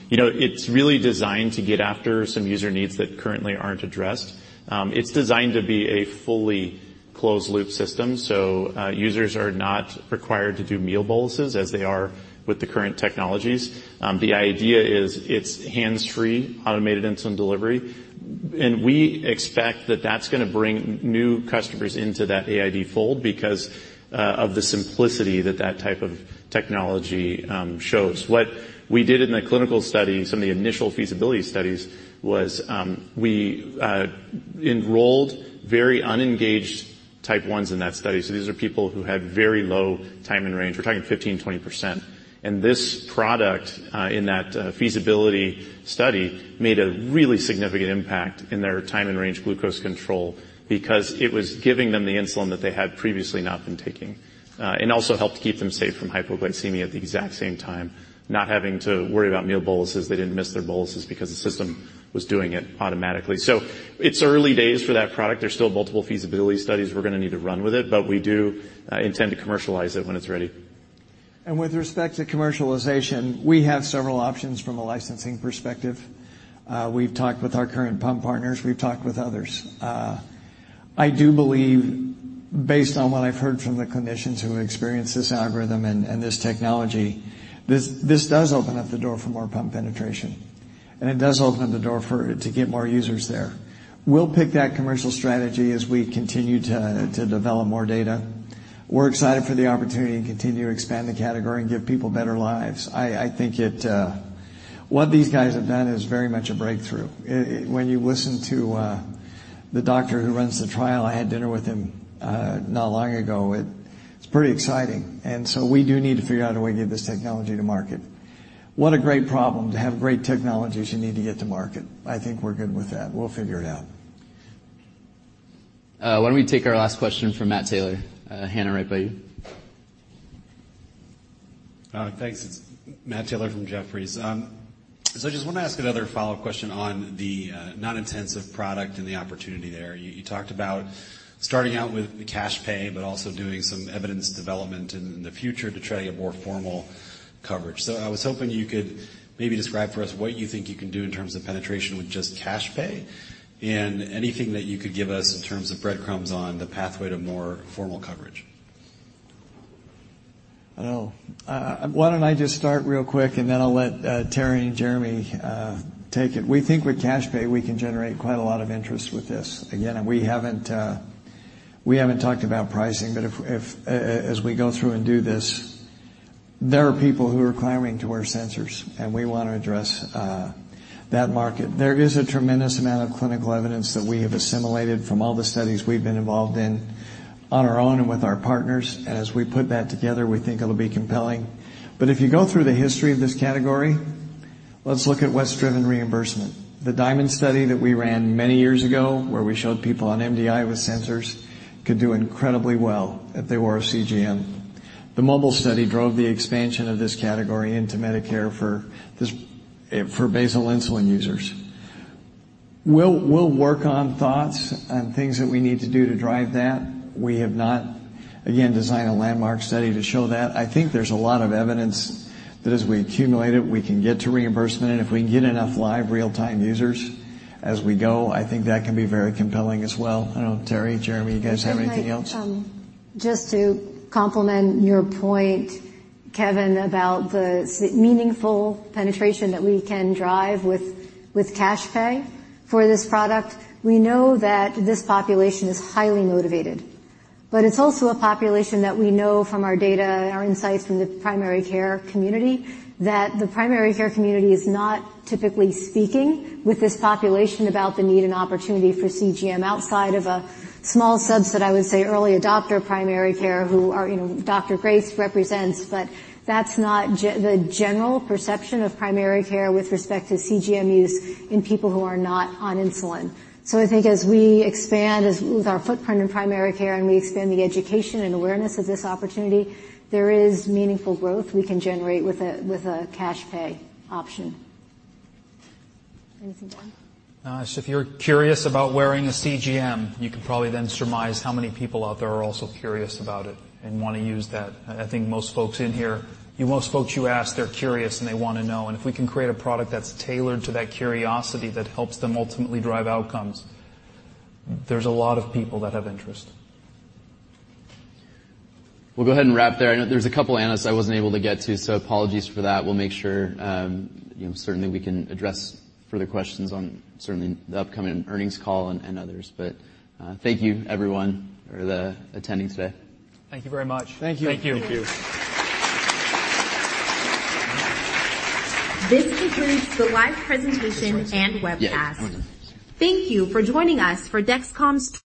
[SPEAKER 5] You know, it's really designed to get after some user needs that currently aren't addressed. It's designed to be a fully closed loop system, so users are not required to do meal boluses as they are with the current technologies. The idea is it's hands-free, automated insulin delivery, and we expect that's gonna bring new customers into that AID fold because of the simplicity that type of technology shows. What we did in the clinical study, some of the initial feasibility studies, was, we enrolled very unengaged Type 1s in that study. These are people who had very low time and range. We're talking 15%, 20%. This product in that feasibility study, made a really significant impact in their time and range glucose control because it was giving them the insulin that they had previously not been taking and also helped keep them safe from hypoglycemia at the exact same time, not having to worry about meal boluses. They didn't miss their boluses because the system was doing it automatically. It's early days for that product. There's still multiple feasibility studies we're gonna need to run with it. We do intend to commercialize it when it's ready.
[SPEAKER 2] With respect to commercialization, we have several options from a licensing perspective. We've talked with our current pump partners. We've talked with others. I do believe, based on what I've heard from the clinicians who experienced this algorithm and this technology, this does open up the door for more pump penetration, and it does open up the door for it to get more users there. We'll pick that commercial strategy as we continue to develop more data. We're excited for the opportunity to continue to expand the category and give people better lives. I think it. What these guys have done is very much a breakthrough. It when you listen to the doctor who runs the trial, I had dinner with him not long ago. It's pretty exciting. We do need to figure out a way to get this technology to market. What a great problem, to have great technologies you need to get to market. I think we're good with that. We'll figure it out....
[SPEAKER 10] why don't we take our last question from Matt Taylor? hand right by you.
[SPEAKER 25] Thanks. It's Matt Taylor from Jefferies. I just want to ask another follow-up question on the non-intensive product and the opportunity there. You talked about starting out with the cash pay, but also doing some evidence development in the future to try to get more formal coverage. I was hoping you could maybe describe for us what you think you can do in terms of penetration with just cash pay, and anything that you could give us in terms of breadcrumbs on the pathway to more formal coverage.
[SPEAKER 2] Well, why don't I just start real quick, then I'll let Teri and Jeremy take it. We think with cash pay, we can generate quite a lot of interest with this. Again, we haven't talked about pricing, but if, as we go through and do this, there are people who are clamoring to wear sensors, and we want to address that market. There is a tremendous amount of clinical evidence that we have assimilated from all the studies we've been involved in on our own and with our partners. As we put that together, we think it'll be compelling. If you go through the history of this category, let's look at what's driven reimbursement. The DIaMonD study that we ran many years ago, where we showed people on MDI with sensors, could do incredibly well if they wore a CGM. The MOBILE study drove the expansion of this category into Medicare for basal insulin users. We'll work on thoughts and things that we need to do to drive that. We have not, again, designed a landmark study to show that. I think there's a lot of evidence that as we accumulate it, we can get to reimbursement, and if we can get enough live real-time users as we go, I think that can be very compelling as well. I don't know, Teri, Jeremy, you guys have anything else?
[SPEAKER 7] Just to complement your point, Kevin, about the meaningful penetration that we can drive with cash pay for this product. We know that this population is highly motivated, it's also a population that we know from our data and our insights from the primary care community, that the primary care community is not typically speaking with this population about the need and opportunity for CGM outside of a small subset, I would say, early adopter primary care, who are, you know, Dr. Grace represents. That's not the general perception of primary care with respect to CGM use in people who are not on insulin. I think as we expand with our footprint in primary care, and we expand the education and awareness of this opportunity, there is meaningful growth we can generate with a cash pay option. Anything more?
[SPEAKER 9] If you're curious about wearing a CGM, you can probably then surmise how many people out there are also curious about it and want to use that. I think most folks in here, most folks you ask, they're curious, and they want to know. If we can create a product that's tailored to that curiosity, that helps them ultimately drive outcomes, there's a lot of people that have interest.
[SPEAKER 10] We'll go ahead and wrap there. I know there's a couple of analysts I wasn't able to get to, apologies for that. We'll make sure, you know, certainly we can address further questions on certainly the upcoming earnings call and others. Thank you, everyone, for the attending today.
[SPEAKER 9] Thank you very much.
[SPEAKER 2] Thank you.
[SPEAKER 9] Thank you.
[SPEAKER 2] Thank you.
[SPEAKER 1] This concludes the live presentation and webcast. Thank you for joining us for Dexcom's-